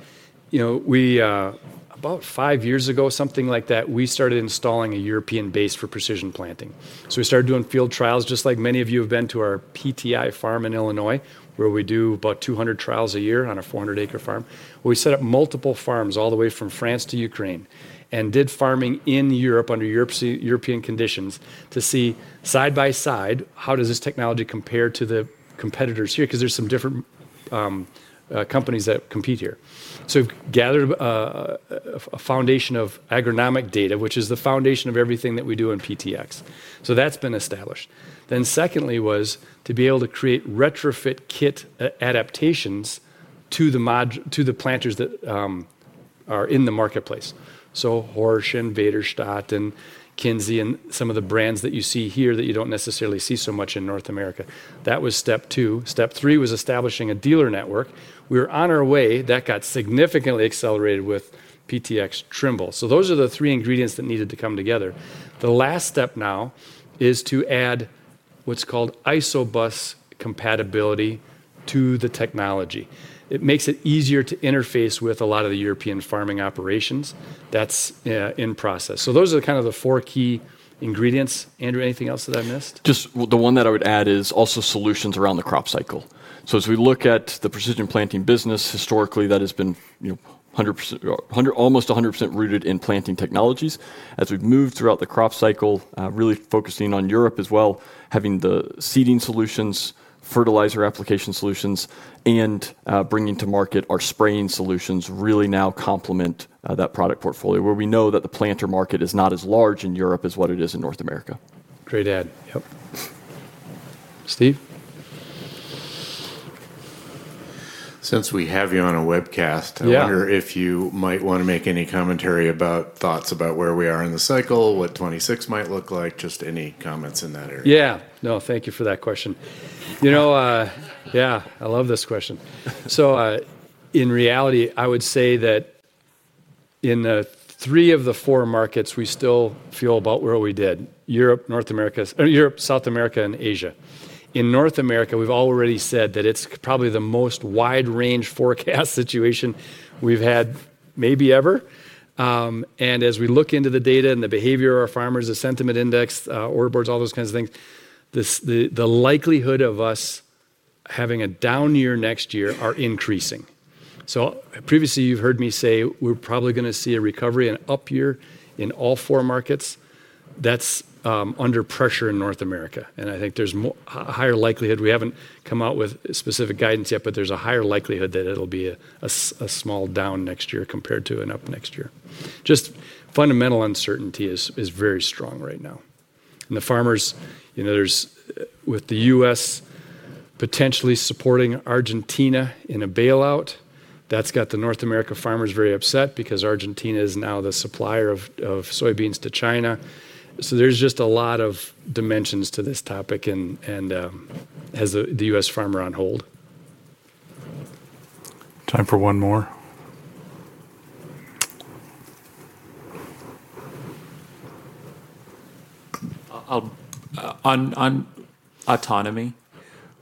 About five years ago, something like that, we started installing a European base for Precision Planting. We started doing field trials, just like many of you have been to our PTI farm in Illinois, where we do about 200 trials a year on a 400-acre farm. We set up multiple farms all the way from France to Ukraine and did farming in Europe under European conditions to see side by side how this technology compares to the competitors here, because there are some different companies that compete here. We've gathered a foundation of agronomic data, which is the foundation of everything that we do in PTx. That's been established. Secondly, it was to be able to create retrofit kit adaptations to the planters that are in the marketplace. Horsch and Vaderstad and Kinze and some of the brands that you see here that you don't necessarily see so much in North America. That was step two. Step three was establishing a dealer network. We were on our way. That got significantly accelerated with PTx Trimble. Those are the three ingredients that needed to come together. The last step now is to add what's called ISOBUS compatibility to the technology. It makes it easier to interface with a lot of the European farming operations. That's in process. Those are the four key ingredients. Andrew, anything else that I missed? Just the one that I would add is also solutions around the crop cycle. As we look at the Precision Planting business, historically that has been almost 100% rooted in planting technologies. As we've moved throughout the crop cycle, really focusing on Europe as well, having the seeding solutions, fertilizer application solutions, and bringing to market our spraying solutions really now complement that product portfolio where we know that the planter market is not as large in Europe as what it is in North America. Great add. Yes. Steve? Since we have you on a webcast, I wonder if you might want to make any commentary about thoughts about where we are in the cycle, what 2026 might look like, just any comments in that area. Thank you for that question. I love this question. In reality, I would say that in three of the four markets, we still feel about where we did: Europe, North America, South America, and Asia. In North America, we've already said that it's probably the most wide-range forecast situation we've had maybe ever. As we look into the data and the behavior of our farmers, the sentiment index, order boards, all those kinds of things, the likelihood of us having a down year next year is increasing. Previously, you've heard me say we're probably going to see a recovery, an up year in all four markets. That's under pressure in North America. I think there's a higher likelihood. We haven't come out with specific guidance yet, but there's a higher likelihood that it'll be a small down next year compared to an up next year. Just fundamental uncertainty is very strong right now. The farmers, there's with the U.S. potentially supporting Argentina in a bailout, that's got the North America farmers very upset because Argentina is now the supplier of soybeans to China. There's just a lot of dimensions to this topic and has the U.S. farmer on hold. Time for one more. On autonomy,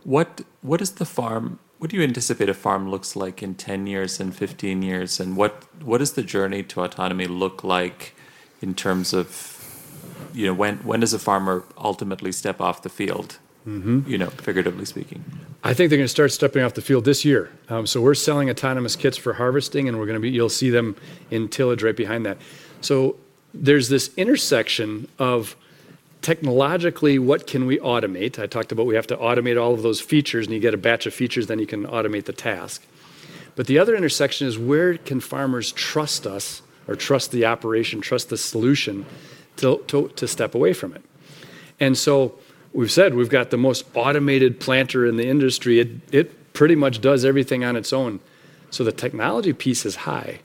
what does the farm, what do you anticipate a farm looks like in 10 years and 15 years? What does the journey to autonomy look like in terms of, you know, when does a farmer ultimately step off the field, you know, figuratively speaking? I think they're going to start stepping off the field this year. We're selling autonomous kits for harvesting, and you'll see them in tillage right behind that. There's this intersection of, technologically, what can we automate? I talked about we have to automate all of those features, and you get a batch of features, then you can automate the task. The other intersection is where can farmers trust us or trust the operation, trust the solution to step away from it? We've said we've got the most automated planter in the industry. It pretty much does everything on its own. The technology piece is high,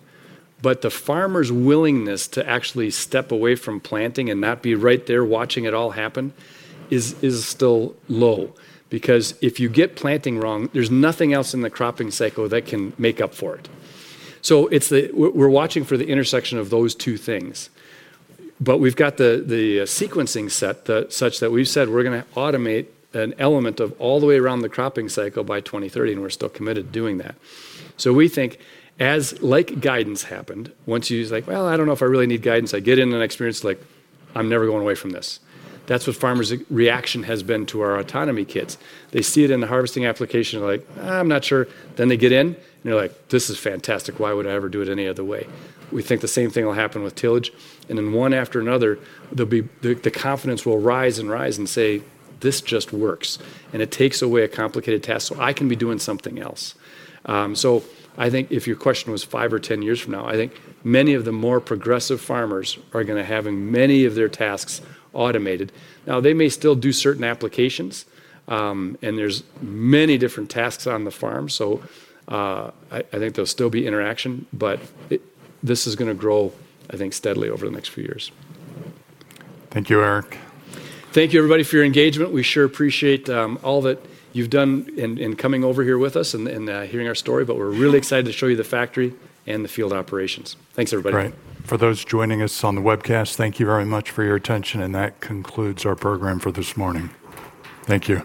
but the farmer's willingness to actually step away from planting and not be right there watching it all happen is still low because if you get planting wrong, there's nothing else in the cropping cycle that can make up for it. We're watching for the intersection of those two things. We've got the sequencing set such that we've said we're going to automate an element of all the way around the cropping cycle by 2030, and we're still committed to doing that. We think, as like guidance happened, once you're like, well, I don't know if I really need guidance, I get in an experience like, I'm never going away from this. That's what farmers' reaction has been to our autonomy kits. They see it in the harvesting application, they're like, I'm not sure. Then they get in and they're like, this is fantastic. Why would I ever do it any other way? We think the same thing will happen with tillage. One after another, the confidence will rise and rise and say, this just works. It takes away a complicated task, so I can be doing something else. I think if your question was five or ten years from now, I think many of the more progressive farmers are going to have many of their tasks automated. They may still do certain applications, and there's many different tasks on the farm. I think there'll still be interaction, but this is going to grow, I think, steadily over the next few years. Thank you, Eric. Thank you, everybody, for your engagement. We sure appreciate all that you've done in coming over here with us and hearing our story. We're really excited to show you the factory and the field operations. Thanks, everybody. All right. For those joining us on the webcast, thank you very much for your attention. That concludes our program for this morning. Thank you.